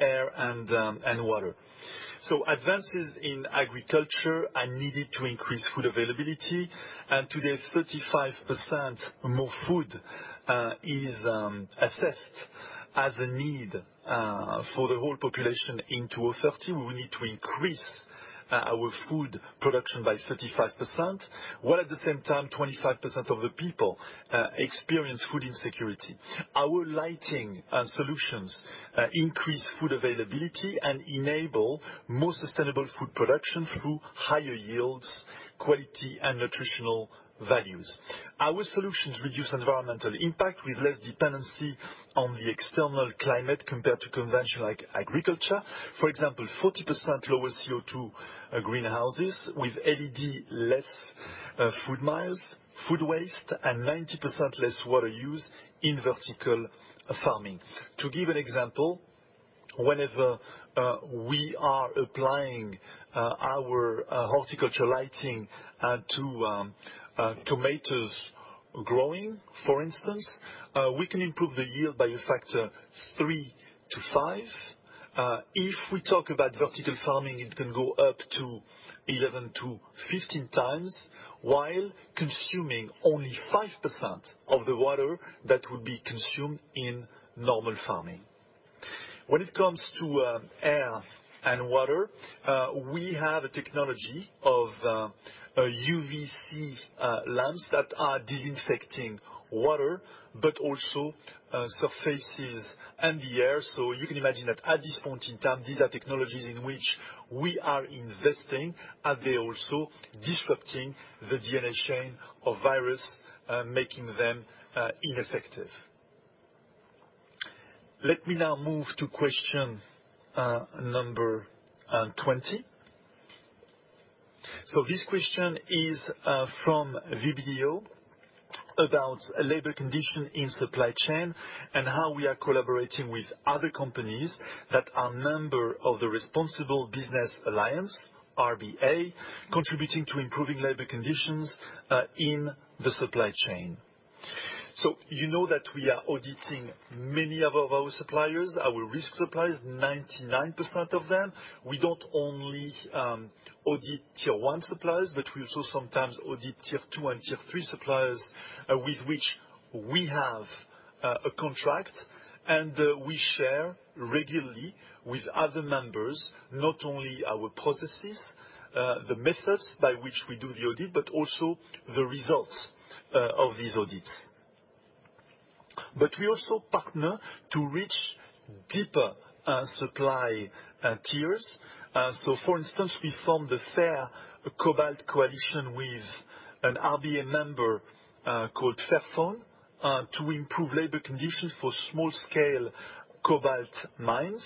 air and water. Advances in agriculture are needed to increase food availability, and today, 35% more food is assessed as a need for the whole population in 2030, we will need to increase our food production by 35%, while at the same time, 25% of the people experience food insecurity. Our lighting solutions increase food availability and enable more sustainable food production through higher yields, quality, and nutritional values. Our solutions reduce environmental impact with less dependency on the external climate compared to conventional agriculture. For example, 40% lower CO2 greenhouses with LED, less food miles, food waste, and 90% less water used in vertical farming. To give an example, whenever we are applying our horticulture lighting to tomatoes growing, for instance, we can improve the yield by a factor of 3-5. If we talk about vertical farming, it can go up to 11-15 times, while consuming only 5% of the water that would be consumed in normal farming. When it comes to air and water, we have a technology of UVC lamps that are disinfecting water, but also surfaces and the air. You can imagine that at this point in time, these are technologies in which we are investing, and they're also disrupting the DNA chain of virus, making them ineffective. Let me now move to question number 20. This question is from VBDO about labor condition in supply chain and how we are collaborating with other companies that are member of the Responsible Business Alliance, RBA, contributing to improving labor conditions in the supply chain. You know that we are auditing many of our suppliers, our risk suppliers, 99% of them. We don't only audit tier one suppliers, but we also sometimes audit tier two and tier three suppliers with which we have a contract, and we share regularly with other members, not only our processes, the methods by which we do the audit, but also the results of these audits. We also partner to reach deeper supply tiers. For instance, we formed the Fair Cobalt Alliance with an RBA member called Fairphone, to improve labor conditions for small scale cobalt mines,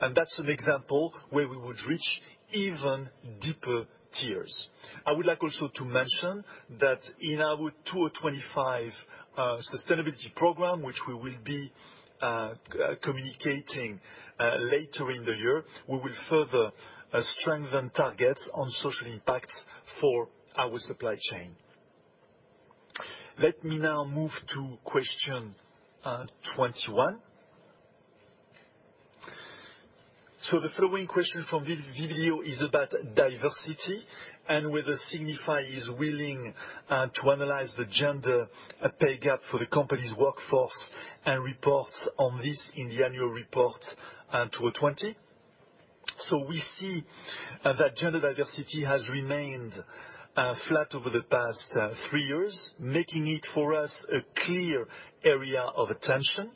and that's an example where we would reach even deeper tiers. I would like also to mention that in our 2025 sustainability program, which we will be communicating later in the year, we will further strengthen targets on social impact for our supply chain. Let me now move to question 21. The following question from VBDO is about diversity and whether Signify is willing to analyze the gender pay gap for the company's workforce and reports on this in the annual report 2020. We see that gender diversity has remained flat over the past three years, making it for us a clear area of attention,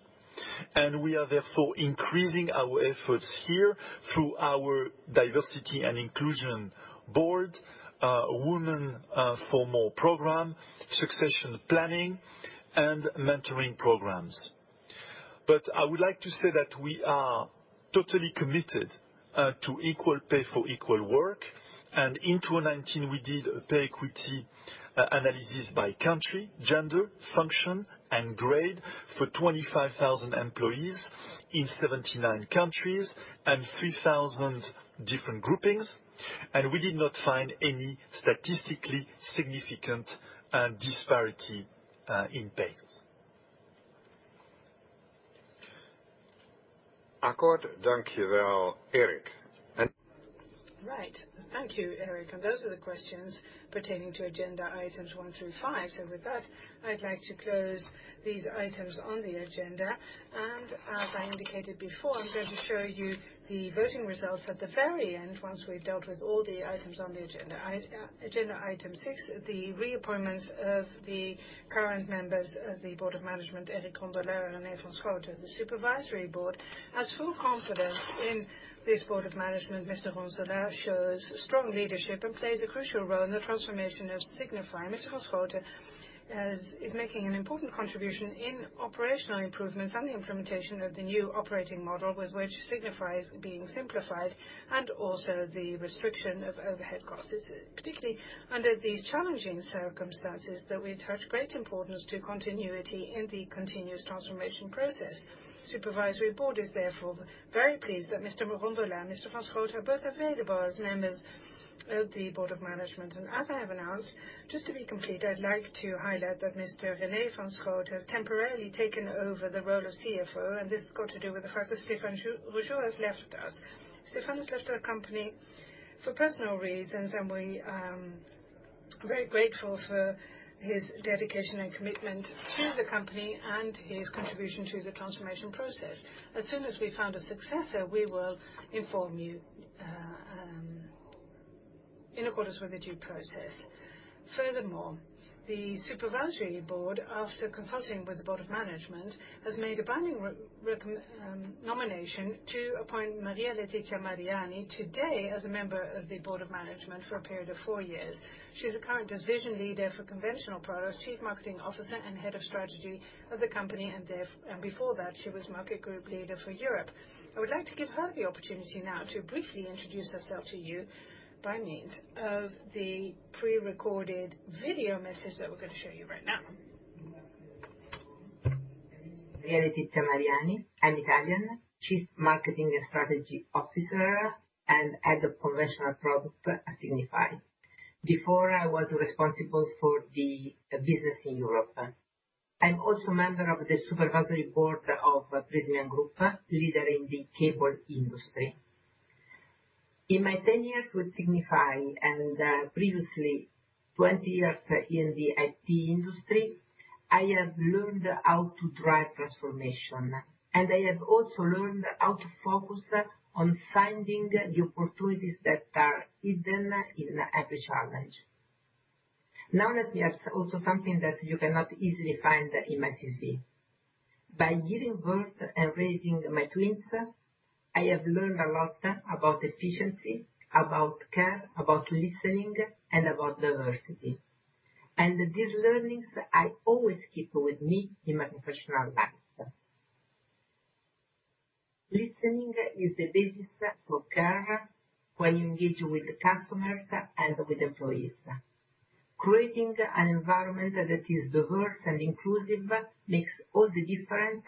and we are therefore increasing our efforts here through our diversity and inclusion board, Women For More program, succession planning, and mentoring programs. I would like to say that we are totally committed to equal pay for equal work, and in 2019, we did a pay equity analysis by country, gender, function, and grade for 25,000 employees in 79 countries and 3,000 different groupings, and we did not find any statistically significant disparity in pay. Eric. Right. Thank you, Eric, and those are the questions pertaining to agenda items one through five. With that, I'd like to close these items on the agenda, and as I indicated before, I'm going to show you the voting results at the very end once we've dealt with all the items on the agenda. Agenda item six, the reappointments of the current members of the Board of Management, Eric Rondolat and René van Schooten. The Supervisory Board has full confidence in this Board of Management. Mr. Rondolat shows strong leadership and plays a crucial role in the transformation of Signify. Mr. van Schooten is making an important contribution in operational improvements and the implementation of the new operating model with which Signify is being simplified, and also the restriction of overhead costs. Particularly under these challenging circumstances that we attach great importance to continuity in the continuous transformation process. Supervisory Board is therefore very pleased that Mr. Rondolat and Mr. van Schooten are both available as members of the Board of Management. As I have announced, just to be complete, I'd like to highlight that Mr. René van Schooten has temporarily taken over the role of CFO, and this has got to do with the fact that Stéphane Rougeot has left us. Stéphane has left our company for personal reasons. Very grateful for his dedication and commitment to the company and his contribution to the transformation process. As soon as we found a successor, we will inform you in accordance with the due process. Furthermore, the Supervisory Board, after consulting with the Board of Management, has made a binding nomination to appoint Maria Letizia Mariani today as a member of the Board of Management for a period of four years. She's the current Division Leader for Conventional Products, Chief Marketing Officer, and Head of Strategy of the company, and before that, she was Market Group Leader for Europe. I would like to give her the opportunity now to briefly introduce herself to you by means of the pre-recorded video message that we're going to show you right now. Maria Letizia Mariani. I'm Italian, Chief Marketing and Strategy Officer, and Head of Professional Products at Signify. Before, I was responsible for the business in Europe. I'm also a member of the Supervisory Board of Prysmian Group, leader in the cable industry. In my 10 years with Signify and previously 20 years in the IT industry, I have learned how to drive transformation, and I have also learned how to focus on finding the opportunities that are hidden in every challenge. Knowledge is also something that you cannot easily find in my CV. By giving birth and raising my twins, I have learned a lot about efficiency, about care, about listening, and about diversity. These learnings I always keep with me in my professional life. Listening is the basis for care when you engage with customers and with employees. Creating an environment that is diverse and inclusive makes all the difference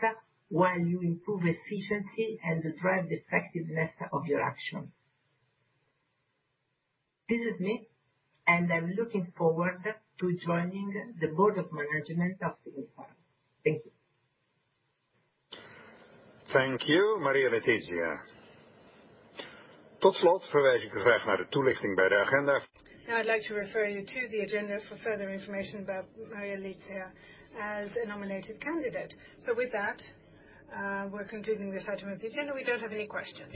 while you improve efficiency and drive the effectiveness of your actions. This is me, and I'm looking forward to joining the Board of Management of Signify. Thank you. Thank you, Maria Letizia. I'd like to refer you to the agenda for further information about Maria Letizia as a nominated candidate. With that, we're concluding this item of the agenda. We don't have any questions.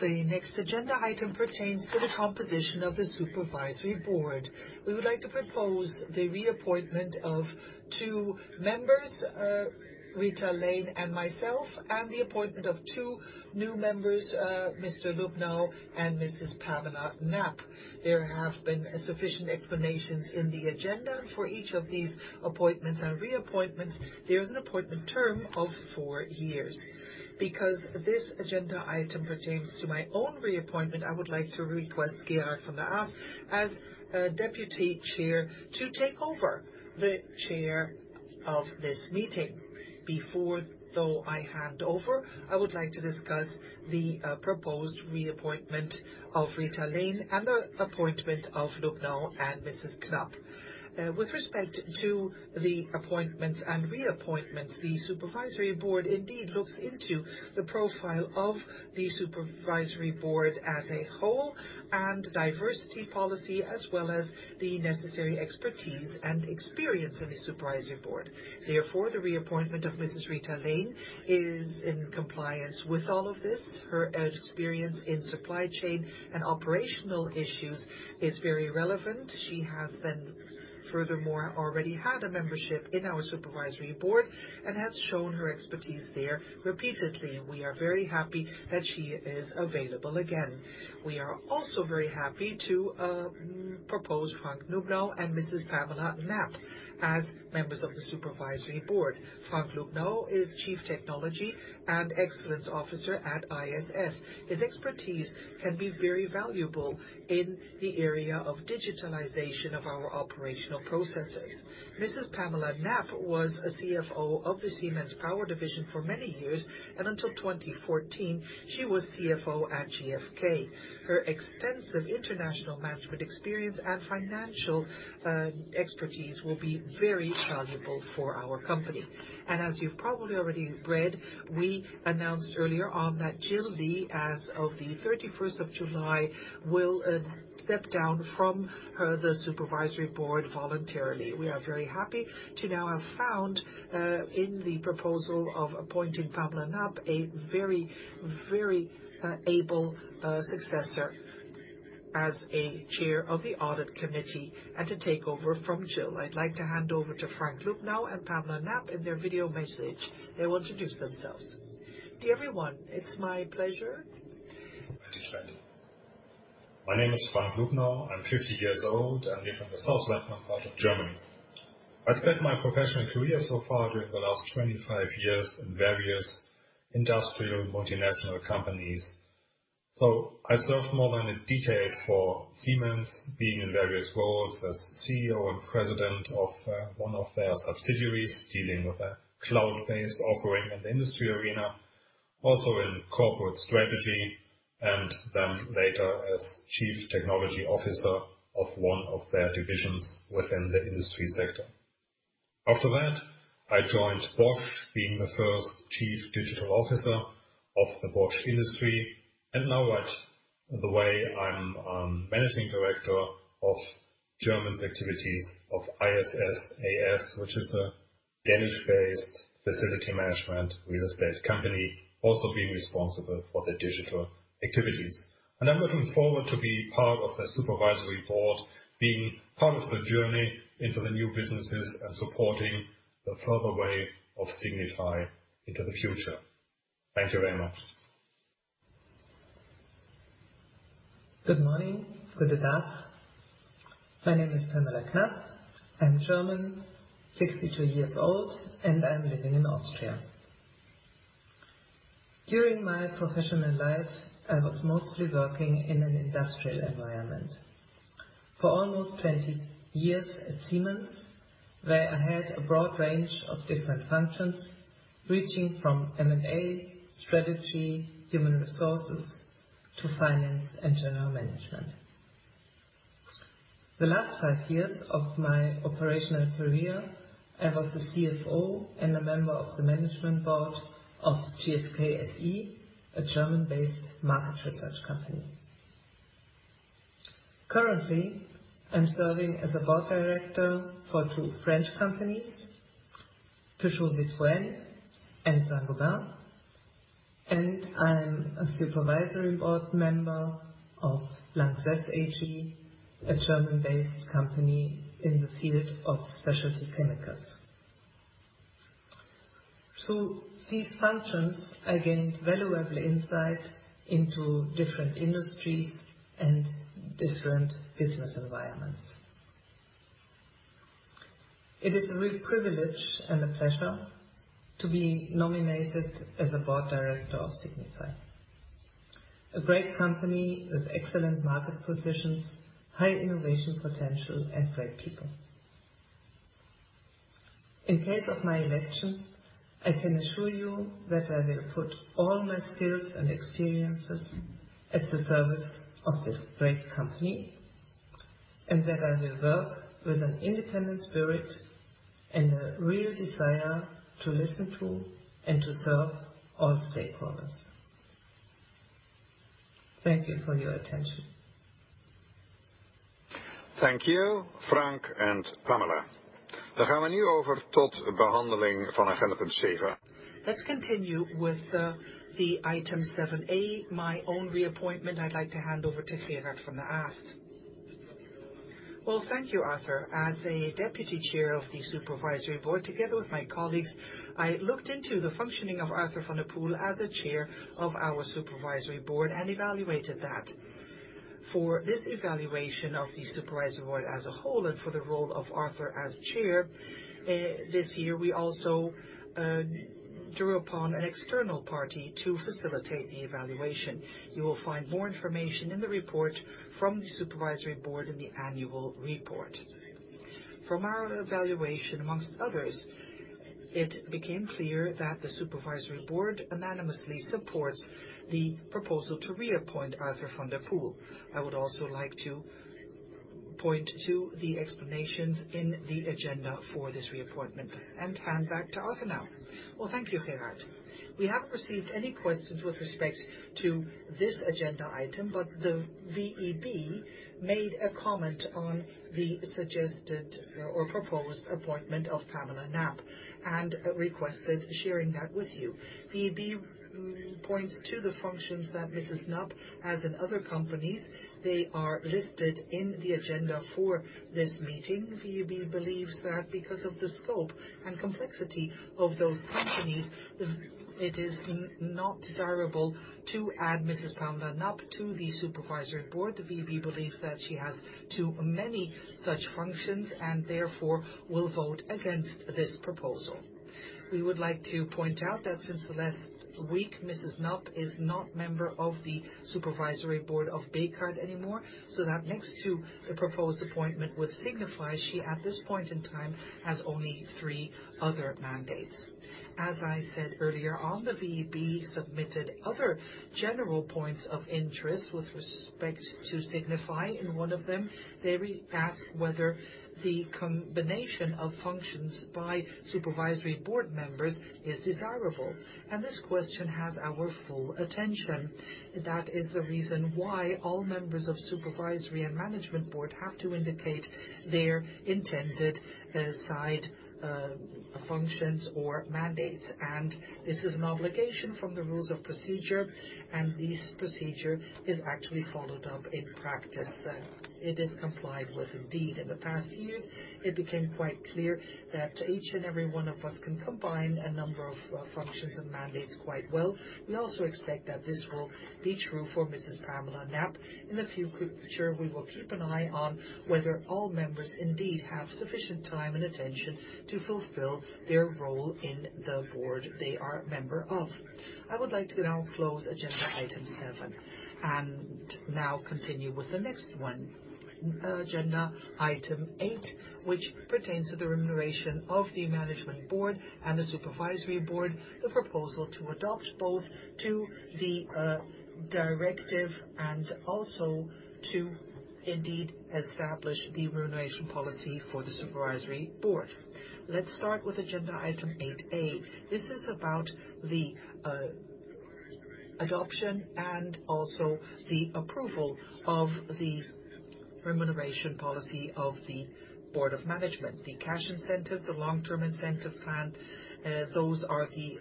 The next agenda item pertains to the composition of the Supervisory Board. We would like to propose the reappointment of two members, Rita Lane and myself, and the appointment of two new members, Mr. Lubnau and Mrs. Pamela Knapp. There have been sufficient explanations in the agenda for each of these appointments and reappointments. There is an appointment term of four years. Because this agenda item pertains to my own reappointment, I would like to request Gerard van de Aast as Deputy Chair to take over the chair of this meeting. Before though I hand over, I would like to discuss the proposed reappointment of Rita Lane and the appointment of Lubnau and Mrs. Knapp. With respect to the appointments and reappointments, the Supervisory Board indeed looks into the profile of the Supervisory Board as a whole and diversity policy, as well as the necessary expertise and experience in the Supervisory Board. Therefore, the reappointment of Mrs. Rita Lane is in compliance with all of this. Her experience in supply chain and operational issues is very relevant. She has then furthermore already had a membership in our Supervisory Board and has shown her expertise there repeatedly, and we are very happy that she is available again. We are also very happy to propose Frank Lubnau and Mrs. Pamela Knapp as members of the Supervisory Board. Frank Lubnau is Chief Technology and Excellence Officer at ISS. His expertise can be very valuable in the area of digitalization of our operational processes. Mrs. Pamela Knapp was a CFO of the Siemens Power division for many years, until 2014, she was CFO at GfK. Her extensive international management experience and financial expertise will be very valuable for our company. As you've probably already read, we announced earlier on that Jill Lee, as of the 31st of July, will step down from the Supervisory Board voluntarily. We are very happy to now have found, in the proposal of appointing Pamela Knapp, a very able successor as a chair of the Audit Committee and to take over from Jill. I'd like to hand over to Frank Lubnau and Pamela Knapp in their video message. They will introduce themselves. Dear everyone, it's my pleasure. My name is Frank Lubnau. I'm 50 years old, and live in the southwest part of Germany. I spent my professional career so far during the last 25 years in various industrial multinational companies. I served more than a decade for Siemens, being in various roles as CEO and President of one of their subsidiaries, dealing with a cloud-based offering in the industry arena, also in corporate strategy, and then later as Chief Technology Officer of one of their divisions within the industry sector. After that, I joined Bosch, being the first Chief Digital Officer of the Bosch industry. Now, I'm managing director of Germans activities of ISS A/S, which is a Danish-based facility management real estate company, also being responsible for the digital activities. I'm looking forward to be part of the supervisory board, being part of the journey into the new businesses and supporting the further way of Signify into the future. Thank you very much. Good morning. My name is Pamela Knapp. I'm German, 62 years old, and I'm living in Austria. During my professional life, I was mostly working in an industrial environment. For almost 20 years at Siemens, where I had a broad range of different functions, reaching from M&A, strategy, human resources, to finance and general management. The last five years of my operational career, I was the CFO and a member of the management board of GfK SE, a German-based market research company. Currently, I'm serving as a board director for two French companies, Peugeot Citroën and Saint-Gobain, and I'm a supervisory board member of Lanxess AG, a German-based company in the field of specialty chemicals. Through these functions, I gained valuable insight into different industries and different business environments. It is a real privilege and a pleasure to be nominated as a board director of Signify. A great company with excellent market positions, high innovation potential, and great people. In case of my election, I can assure you that I will put all my skills and experiences at the service of this great company, and that I will work with an independent spirit and a real desire to listen to and to serve all stakeholders. Thank you for your attention. Thank you, Frank and Pamela. Let's continue with the item 7A, my own reappointment. I'd like to hand over to Gerard van de Aast. Well, thank you, Arthur. As a deputy chair of the supervisory board, together with my colleagues, I looked into the functioning of Arthur van der Poel as a chair of our supervisory board and evaluated that. For this evaluation of the supervisory board as a whole and for the role of Arthur as chair, this year, we also drew upon an external party to facilitate the evaluation. You will find more information in the report from the supervisory board in the annual report. From our evaluation, amongst others, it became clear that the supervisory board unanimously supports the proposal to reappoint Arthur van der Poel. I would also like to point to the explanations in the agenda for this reappointment and hand back to Arthur now. Well, thank you, Gerard. We haven't received any questions with respect to this agenda item, but the VEB made a comment on the suggested or proposed appointment of Pamela Knapp and requested sharing that with you. VEB points to the functions that Mrs. Knapp has in other companies. They are listed in the agenda for this meeting. VEB believes that because of the scope and complexity of those companies, it is not desirable to add Mrs. Pamela Knapp to the supervisory board. The VEB believes that she has too many such functions and therefore will vote against this proposal. We would like to point out that since the last week, Mrs. Knapp is not member of the supervisory board of Bekaert anymore, so that next to the proposed appointment with Signify, she at this point in time has only three other mandates. As I said earlier on, the VEB submitted other general points of interest with respect to Signify. In one of them, they asked whether the combination of functions by supervisory board members is desirable. This question has our full attention. That is the reason why all members of supervisory and management board have to indicate their intended side functions or mandates, and this is an obligation from the rules of procedure, and this procedure is actually followed up in practice, that it is complied with indeed. In the past years, it became quite clear that each and every one of us can combine a number of functions and mandates quite well. We also expect that this will be true for Mrs. Pamela Knapp. In the future, we will keep an eye on whether all members indeed have sufficient time and attention to fulfill their role in the board they are a member of. I would like to now close agenda item 7 and now continue with the next one, agenda item 8, which pertains to the remuneration of the Management Board and the Supervisory Board, the proposal to adopt both to the directive and also to indeed establish the remuneration policy for the Supervisory Board. Let's start with agenda item 8. This is about the adoption and also the approval of the remuneration policy of the Board of Management, the cash incentive, the long-term incentive plan, those are the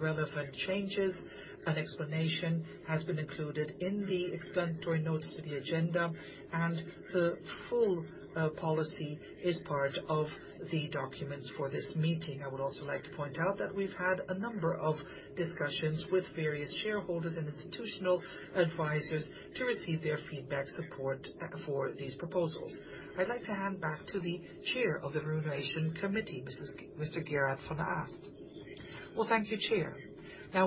relevant changes. An explanation has been included in the explanatory notes to the agenda, and the full policy is part of the documents for this meeting. I would also like to point out that we've had a number of discussions with various shareholders and institutional advisors to receive their feedback support for these proposals. I'd like to hand back to the chair of the Remuneration Committee, Mr. Gerard van de Aast. Well, thank you, Chair.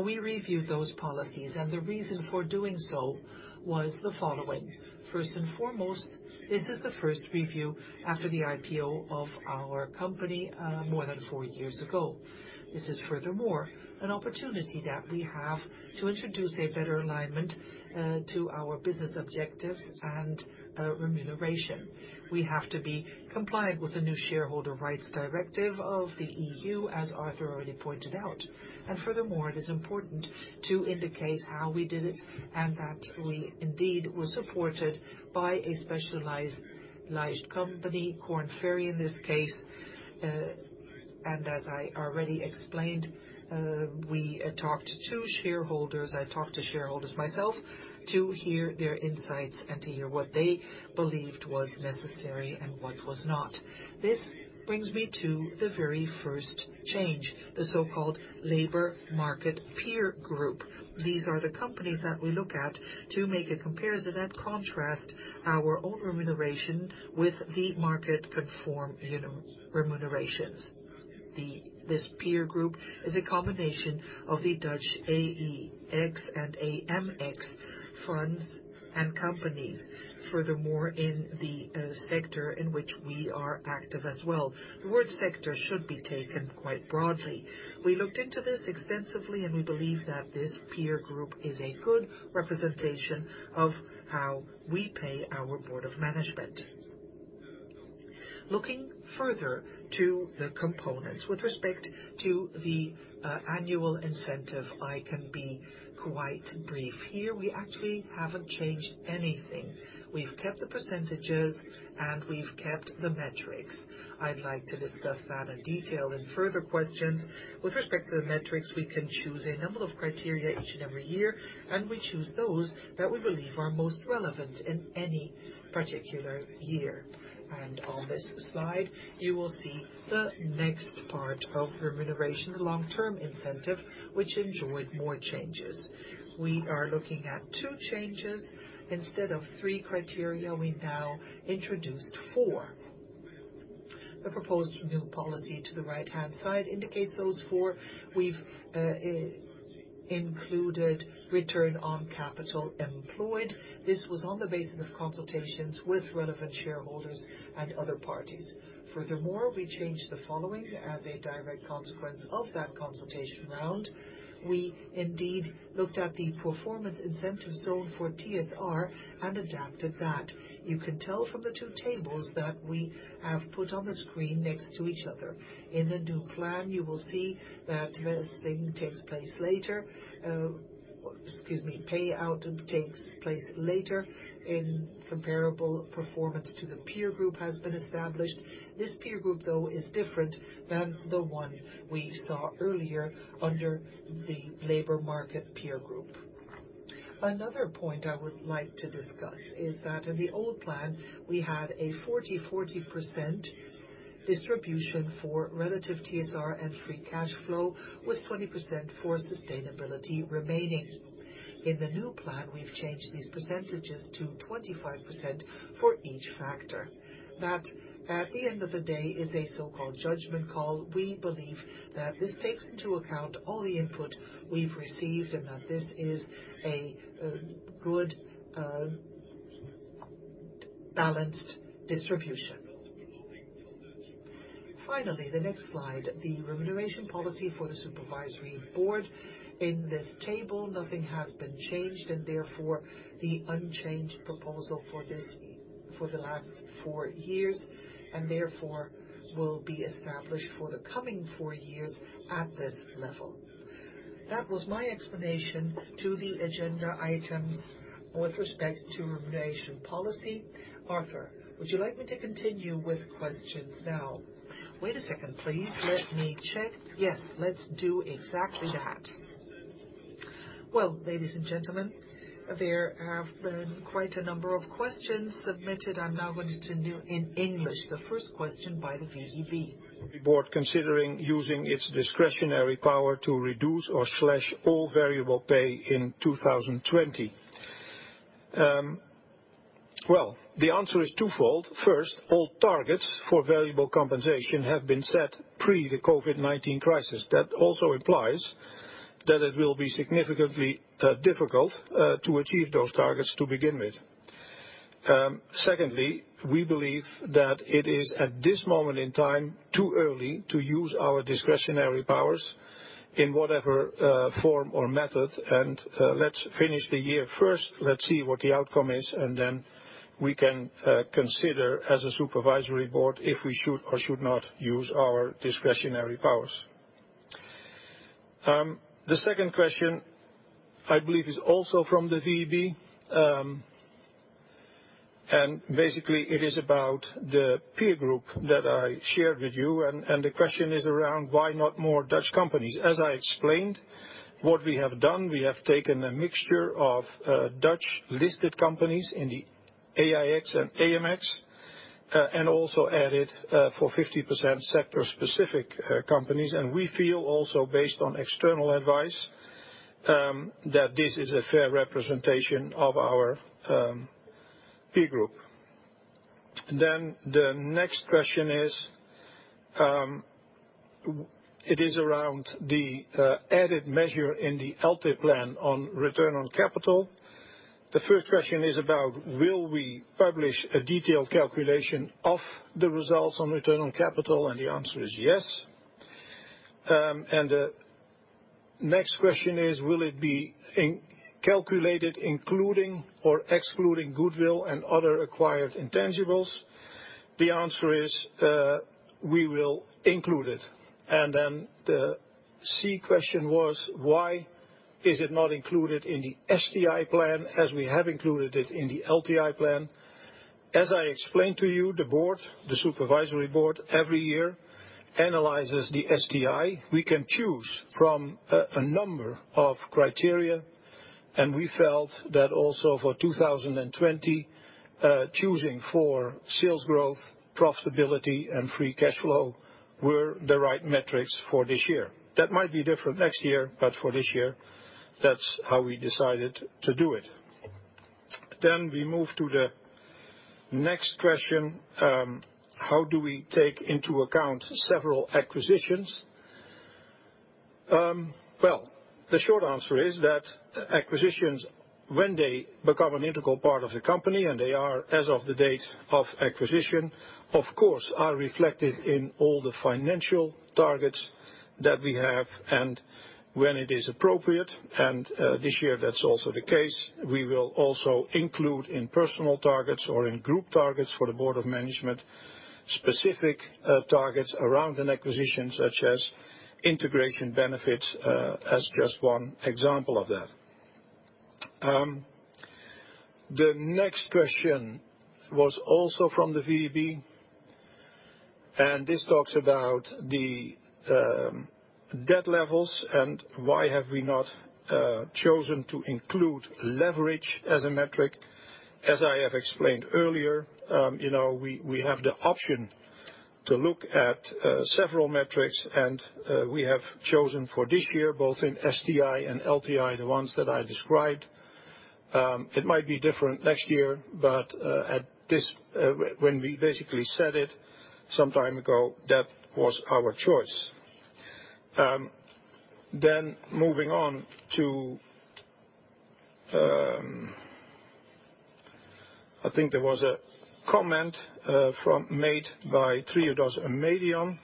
We reviewed those policies, and the reason for doing so was the following. First and foremost, this is the first review after the IPO of our company, more than four years ago. This is furthermore, an opportunity that we have to introduce a better alignment to our business objectives and remuneration. We have to be compliant with the new Shareholder Rights Directive of the EU, as Arthur already pointed out. Furthermore, it is important to indicate how we did it and that we indeed were supported by a specialized company, Korn Ferry, in this case. As I already explained, we talked to shareholders, I talked to shareholders myself, to hear their insights and to hear what they believed was necessary and what was not. This brings me to the very first change, the so-called labor market peer group. These are the companies that we look at to make a comparison and contrast our own remuneration with the market conform remunerations. This peer group is a combination of the Dutch AEX and AMX funds and companies. In the sector in which we are active as well. The word sector should be taken quite broadly. We looked into this extensively, and we believe that this peer group is a good representation of how we pay our board of management. Looking further to the components. With respect to the annual incentive, I can be quite brief here. We actually haven't changed anything. We've kept the percentages, and we've kept the metrics. I'd like to discuss that in detail in further questions. With respect to the metrics, we can choose a number of criteria each and every year, and we choose those that we believe are most relevant in any particular year. On this slide, you will see the next part of remuneration, long-term incentive, which enjoyed more changes. We are looking at two changes. Instead of three criteria, we now introduced four. The proposed new policy to the right-hand side indicates those four. We've included return on capital employed. This was on the basis of consultations with relevant shareholders and other parties. Furthermore, we changed the following as a direct consequence of that consultation round. We indeed looked at the performance incentive zone for TSR and adapted that. You can tell from the two tables that we have put on the screen next to each other. In the new plan, you will see that vesting takes place later. Excuse me. Payout takes place later and comparable performance to the peer group has been established. This peer group, though, is different than the one we saw earlier under the labor market peer group. Another point I would like to discuss is that in the old plan, we had a 40/40% distribution for relative TSR and free cash flow, with 20% for sustainability remaining. In the new plan, we've changed these percentages to 25% for each factor. That, at the end of the day, is a so-called judgment call. We believe that this takes into account all the input we've received and that this is a good balanced distribution. Finally, the next slide, the remuneration policy for the supervisory board. In this table, nothing has been changed, and therefore the unchanged proposal for the last four years, and therefore will be established for the coming four years at this level. That was my explanation to the agenda items with respect to remuneration policy. Arthur, would you like me to continue with questions now? Wait a second, please. Let me check. Yes, let's do exactly that. Well, ladies and gentlemen, there have been quite a number of questions submitted. I'm now going to do in English. The first question by the VEB. Board considering using its discretionary power to reduce or slash all variable pay in 2020. Well, the answer is twofold. First, all targets for variable compensation have been set pre the COVID-19 crisis. That also implies that it will be significantly difficult to achieve those targets to begin with. Secondly, we believe that it is at this moment in time too early to use our discretionary powers in whatever form or method. Let's finish the year first. Let's see what the outcome is, and then we can consider as a supervisory board, if we should or should not use our discretionary powers. The second question, I believe, is also from the VEB. Basically it is about the peer group that I shared with you, and the question is around why not more Dutch companies. As I explained, what we have done, we have taken a mixture of Dutch listed companies in the AEX and AMX, we feel also based on external advice, that this is a fair representation of our peer group. The next question is around the added measure in the LT plan on return on capital. The first question is about will we publish a detailed calculation of the results on return on capital? The answer is yes. The next question is, will it be calculated including or excluding goodwill and other acquired intangibles? The answer is, we will include it. The C question was, why is it not included in the STI plan as we have included it in the LTI plan? As I explained to you, the board, the Supervisory Board every year analyzes the STI. We can choose from a number of criteria. We felt that also for 2020, choosing for sales growth, profitability, and free cash flow were the right metrics for this year. That might be different next year, but for this year, that's how we decided to do it. We move to the next question. How do we take into account several acquisitions? Well, the short answer is that acquisitions, when they become an integral part of the company, and they are as of the date of acquisition, of course, are reflected in all the financial targets that we have and when it is appropriate. This year that's also the case. We will also include in personal targets or in group targets for the board of management, specific targets around an acquisition, such as integration benefits, as just one example of that. The next question was also from the VEB, this talks about the debt levels and why have we not chosen to include leverage as a metric. As I have explained earlier, we have the option to look at several metrics and we have chosen for this year, both in STI and LTI, the ones that I described. It might be different next year, when we basically said it some time ago, that was our choice. Moving on to I think there was a comment made by Triodos and Eumedion.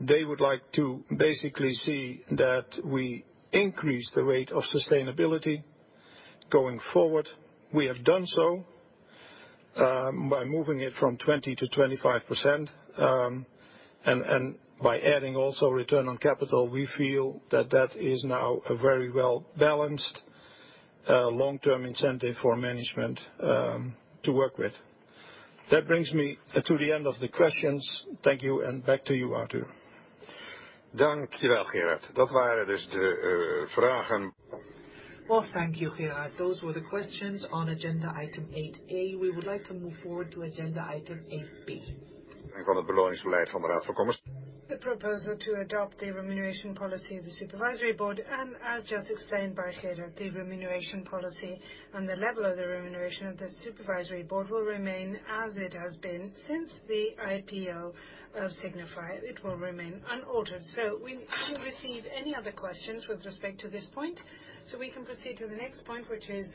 They would like to basically see that we increase the rate of sustainability going forward. We have done so, by moving it from 20% to 25%. By adding also return on capital, we feel that that is now a very well-balanced, long-term incentive for management to work with. That brings me to the end of the questions. Thank you, and back to you, Arthur. Dank je wel, Gerard. Dat waren dus de vragen. Well, thank you, Gerard. Those were the questions on agenda item 8A. We would like to move forward to agenda item 8B. Van het beloningsbeleid van de raad van commissarissen. The proposal to adopt the remuneration policy of the supervisory board, and as just explained by Gerard, the remuneration policy and the level of the remuneration of the supervisory board will remain as it has been since the IPO of Signify. It will remain unaltered. We didn't receive any other questions with respect to this point, so we can proceed to the next point, which is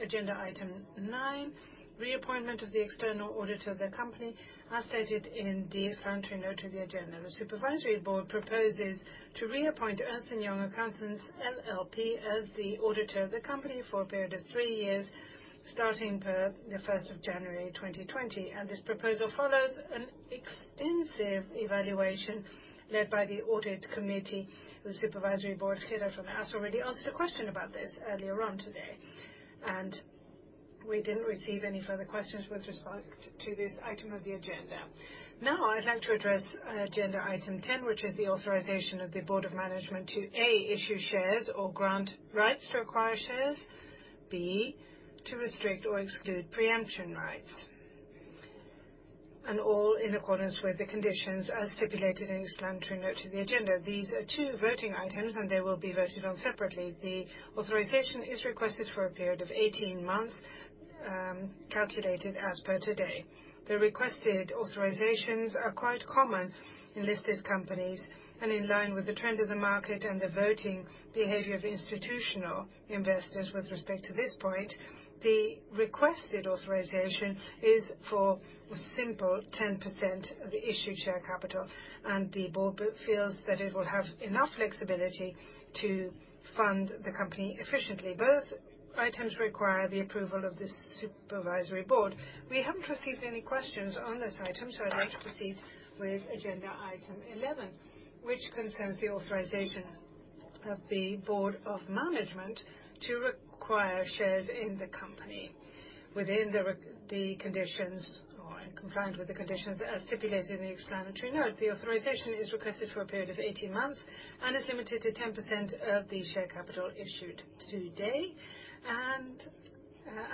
agenda item 9, reappointment of the external audit of the company, as stated in the explanatory note to the agenda. The supervisory board proposes to reappoint Ernst & Young Accountants LLP as the auditor of the company for a period of three years, starting per the 1st of January 2020. This proposal follows an extensive evaluation led by the audit committee of the supervisory board. Gerard van de Aast already answered a question about this earlier on today. We didn't receive any further questions with respect to this item of the agenda. Now I'd like to address agenda item 10, which is the authorization of the Board of Management to, A, issue shares or grant rights to acquire shares, B, to restrict or exclude pre-emption rights. All in accordance with the conditions as stipulated in explanatory note to the agenda. These are two voting items and they will be voted on separately. The authorization is requested for a period of 18 months, calculated as per today. The requested authorizations are quite common in listed companies and in line with the trend of the market and the voting behavior of institutional investors with respect to this point. The requested authorization is for simple 10% of the issued share capital, and the Board feels that it will have enough flexibility to fund the company efficiently. Both items require the approval of the Supervisory Board. We haven't received any questions on this item. I'd like to proceed with agenda item 11, which concerns the authorization of the Board of Management to acquire shares in the company within the conditions, or in compliance with the conditions as stipulated in the explanatory note. The authorization is requested for a period of 18 months and is limited to 10% of the share capital issued today, and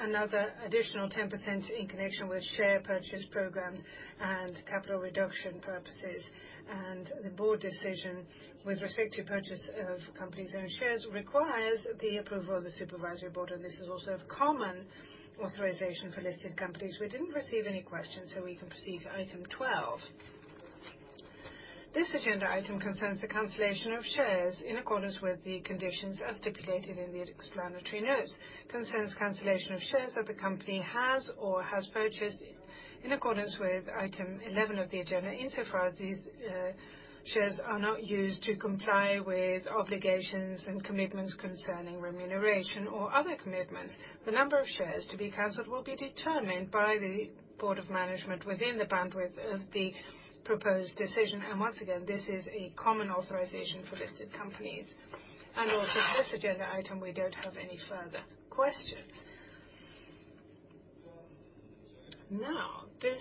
another additional 10% in connection with share purchase programs and capital reduction purposes. The Board decision with respect to purchase of company's own shares requires the approval of the Supervisory Board, and this is also a common authorization for listed companies. We didn't receive any questions, so we can proceed to item 12. This agenda item concerns the cancellation of shares in accordance with the conditions as stipulated in the explanatory notes. Concerns cancellation of shares that the company has or has purchased in accordance with item 11 of the agenda. Insofar, these shares are not used to comply with obligations and commitments concerning remuneration or other commitments. The number of shares to be canceled will be determined by the Board of Management within the bandwidth of the proposed decision. Once again, this is a common authorization for listed companies. Also this agenda item, we don't have any further questions. This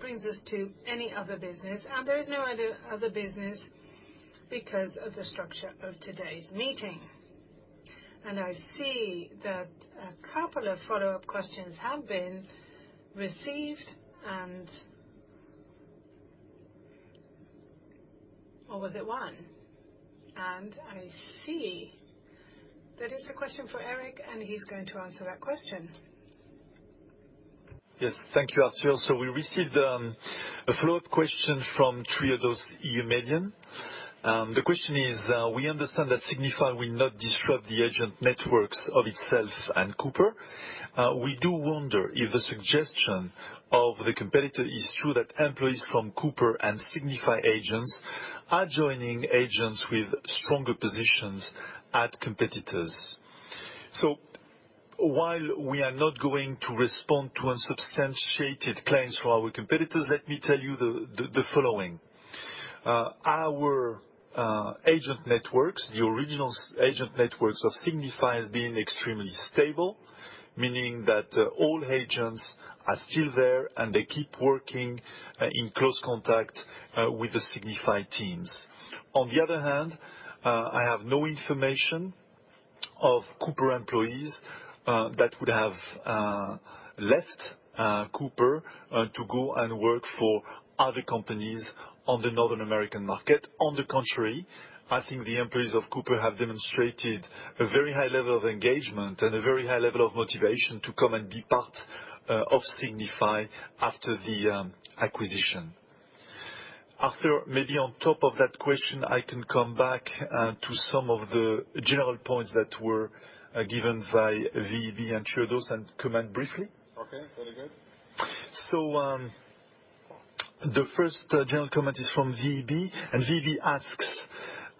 brings us to any other business. There is no other business because of the structure of today's meeting. I see that a couple of follow-up questions have been received. Or was it one? I see that is a question for Eric. He's going to answer that question. Yes. Thank you, Arthur. We received a follow-up question from Triodos and Eumedion. The question is: We understand that Signify will not disrupt the agent networks of itself and Cooper. We do wonder if the suggestion of the competitor is true that employees from Cooper and Signify agents are joining agents with stronger positions at competitors. While we are not going to respond to unsubstantiated claims from our competitors, let me tell you the following. Our agent networks, the original agent networks of Signify has been extremely stable, meaning that all agents are still there, and they keep working in close contact with the Signify teams. On the other hand, I have no information of Cooper employees that would have left Cooper to go and work for other companies on the North American market. On the contrary, I think the employees of Cooper have demonstrated a very high level of engagement and a very high level of motivation to come and be part of Signify after the acquisition. Arthur, maybe on top of that question, I can come back to some of the general points that were given by VEB and Triodos and comment briefly. Okay, very good. The first general comment is from VEB, and VEB asks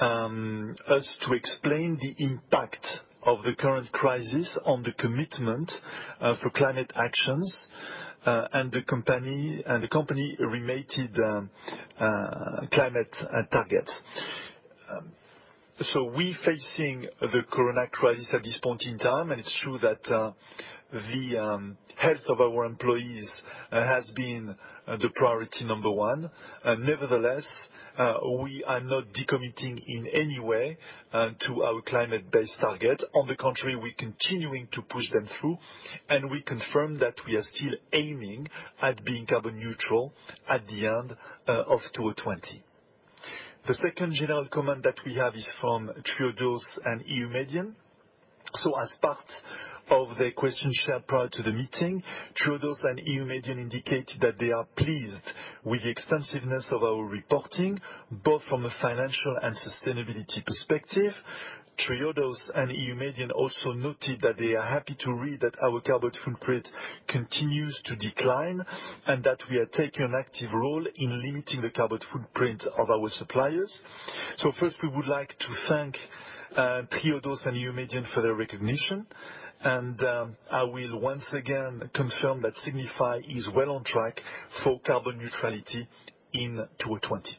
us to explain the impact of the current crisis on the commitment for climate actions, and the [company-related] climate targets. We're facing the Corona crisis at this point in time, and it's true that the health of our employees has been the priority number 1. Nevertheless, we are not decommitting in any way to our climate-based target. On the contrary, we're continuing to push them through, and we confirm that we are still aiming at being carbon neutral at the end of 2020. The second general comment that we have is from Triodos and Eumedion. As part of the question shared prior to the meeting, Triodos and Eumedion indicate that they are pleased with the extensiveness of our reporting, both from a financial and sustainability perspective. Triodos and Eumedion also noted that they are happy to read that our carbon footprint continues to decline, and that we are taking an active role in limiting the carbon footprint of our suppliers. First, we would like to thank Triodos and Eumedion for their recognition. I will once again confirm that Signify is well on track for carbon neutrality in 2020.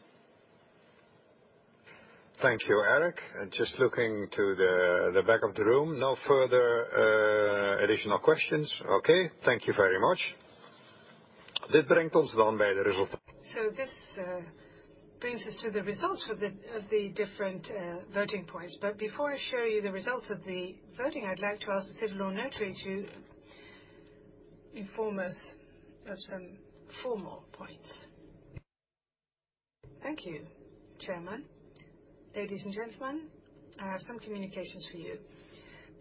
Thank you, Eric. Just looking to the back of the room. No further additional questions. Okay, thank you very much. This brings us to the results of the different voting points. Before I show you the results of the voting, I'd like to ask the civil law notary to inform us of some formal points. Thank you, Chairman. Ladies and gentlemen, I have some communications for you.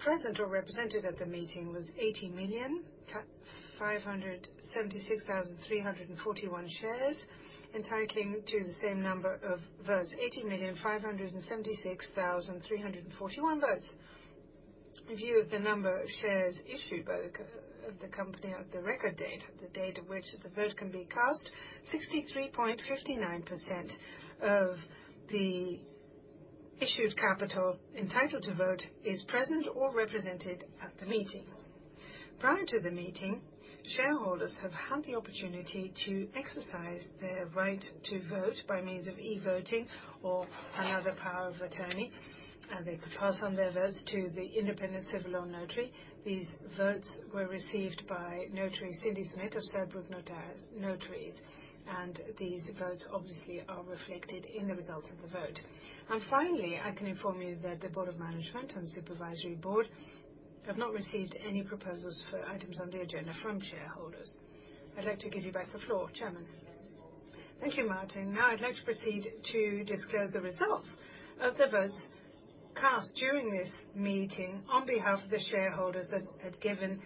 Present or represented at the meeting was 80,576,341 shares, entitling to the same number of votes, 80,576,341 votes. In view of the number of shares issued by the company at the record date, the date at which the vote can be cast, 63.59% of the issued capital entitled to vote is present or represented at the meeting. Prior to the meeting, shareholders have had the opportunity to exercise their right to vote by means of e-voting or another power of attorney. They could pass on their votes to the independent civil law notary. These votes were received by Notary Cindy Smid of Zuidbroek Corporate Law Notaries, these votes obviously are reflected in the results of the vote. Finally, I can inform you that the board of management and supervisory board have not received any proposals for items on the agenda from shareholders. I'd like to give you back the floor, Chairman. Thank you, Martin. I'd like to proceed to disclose the results of the votes cast during this meeting on behalf of the shareholders that had given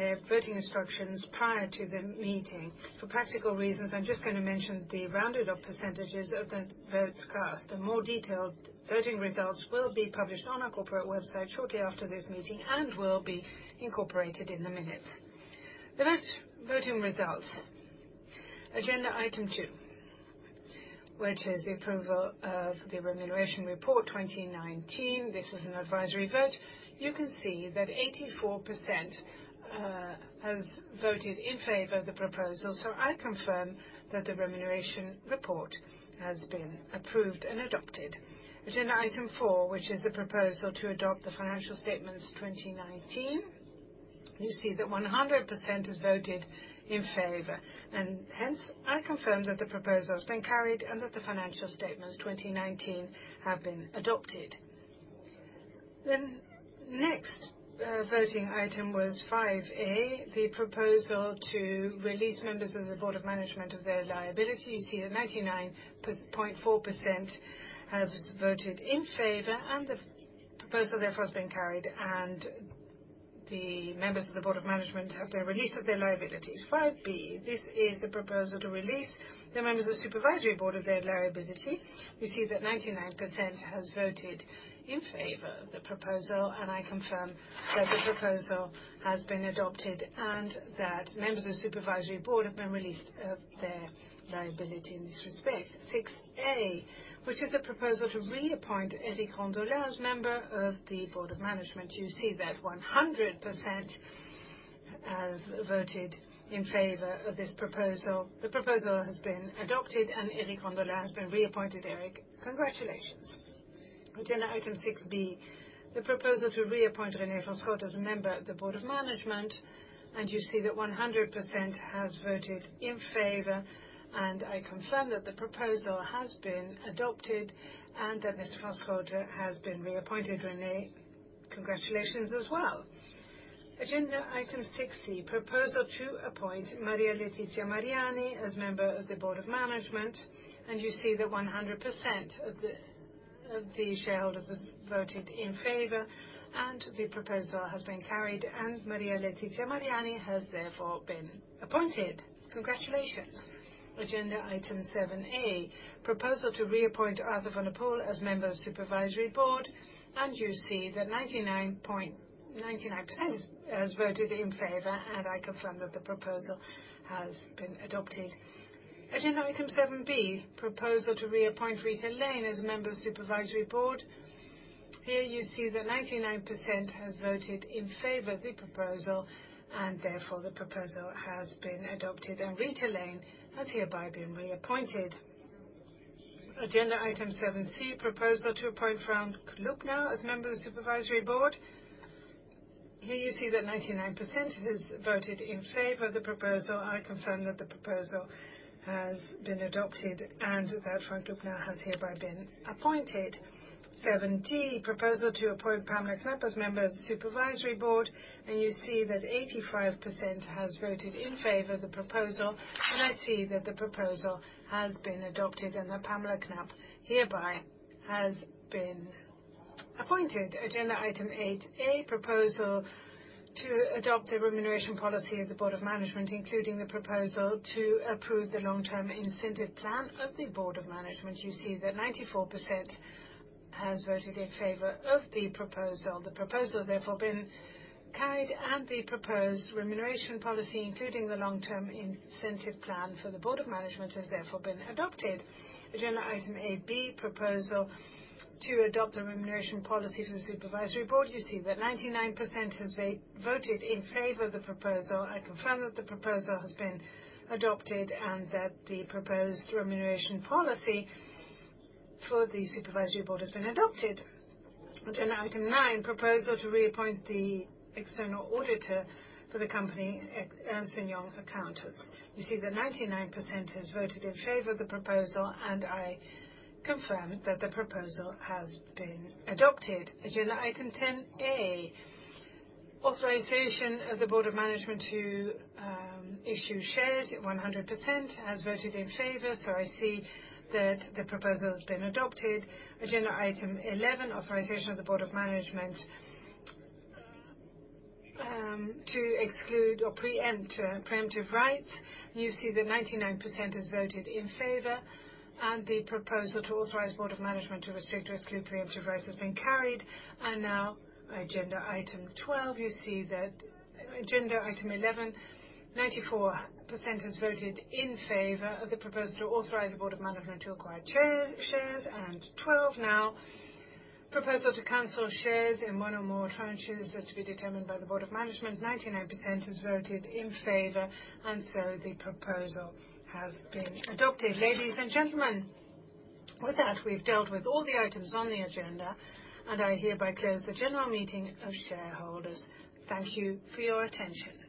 their voting instructions prior to the meeting. For practical reasons, I'm just going to mention the rounded up percentages of the votes cast. The more detailed voting results will be published on our corporate website shortly after this meeting and will be incorporated in the minutes. The next voting results, agenda item 2, which is the approval of the remuneration report 2019. This is an advisory vote. You can see that 84% has voted in favor of the proposal. I confirm that the remuneration report has been approved and adopted. Agenda item 4, which is the proposal to adopt the financial statements 2019. You see that 100% is voted in favor, and hence, I confirm that the proposal has been carried and that the financial statements 2019 have been adopted. Next voting item was 5A, the proposal to release members of the Board of Management of their liability. You see that 99.4% has voted in favor, and the proposal therefore has been carried, and the members of the Board of Management have their release of their liabilities. 5B, this is the proposal to release the members of the Supervisory Board of their liability. You see that 99% has voted in favor of the proposal. I confirm that the proposal has been adopted and that members of Supervisory Board have been released of their liability in this respect. 6A, which is a proposal to reappoint Eric Rondolat as member of the Board of Management. You see that 100% have voted in favor of this proposal. The proposal has been adopted and Eric Rondolat has been reappointed. Eric, congratulations. Agenda item 6B, the proposal to reappoint René van Schooten as a member of the Board of Management. You see that 100% has voted in favor. I confirm that the proposal has been adopted and that Mr. van Schooten has been reappointed. René, congratulations as well. Agenda item 6C, proposal to appoint Maria Letizia Mariani as member of the Board of Management. You see that 100% of the shareholders have voted in favor. The proposal has been carried. Maria Letizia Mariani has therefore been appointed. Congratulations. Agenda item 7A, proposal to reappoint Arthur van der Poel as member of Supervisory Board. You see that 99% has voted in favor. I confirm that the proposal has been adopted. Agenda item 7B, proposal to reappoint Rita Lane as a member of Supervisory Board. Here you see that 99% has voted in favor of the proposal. Therefore, the proposal has been adopted. Rita Lane has hereby been reappointed. Agenda item 7C, proposal to appoint Frank Lubnau as a member of the Supervisory Board. Here you see that 99% has voted in favor of the proposal. I confirm that the proposal has been adopted and that Frank Lubnau has hereby been appointed. 7D, proposal to appoint Pamela Knapp as member of the Supervisory Board. You see that 85% has voted in favor of the proposal. I see that the proposal has been adopted and that Pamela Knapp hereby has been appointed. Agenda item 8A, proposal to adopt a remuneration policy of the Board of Management, including the proposal to approve the long-term incentive plan of the Board of Management. You see that 94% has voted in favor of the proposal. The proposal has therefore been carried. The proposed remuneration policy, including the long-term incentive plan for the Board of Management, has therefore been adopted. Agenda item 8B, proposal to adopt a remuneration policy for the Supervisory Board. You see that 99% has voted in favor of the proposal. I confirm that the proposal has been adopted and that the proposed remuneration policy for the Supervisory Board has been adopted. Agenda item nine, proposal to reappoint the external auditor for the company, Ernst & Young Accountants. You see that 99% has voted in favor of the proposal, and I confirm that the proposal has been adopted. Agenda item 10A, authorization of the Board of Management to issue shares. 100% has voted in favor, so I see that the proposal has been adopted. Agenda item 11, authorization of the Board of Management to exclude or preemptive rights. You see that 99% has voted in favor and the proposal to authorize Board of Management to restrict or exclude preemptive rights has been carried. Now agenda item 12, you see that agenda item 11, 94% has voted in favor of the proposal to authorize the Board of Management to acquire shares. 12 now, proposal to cancel shares in one or more tranches as to be determined by the Board of Management. 99% has voted in favor, and so the proposal has been adopted. Ladies and gentlemen, with that, we've dealt with all the items on the agenda, and I hereby close the General Meeting of Shareholders. Thank you for your attention.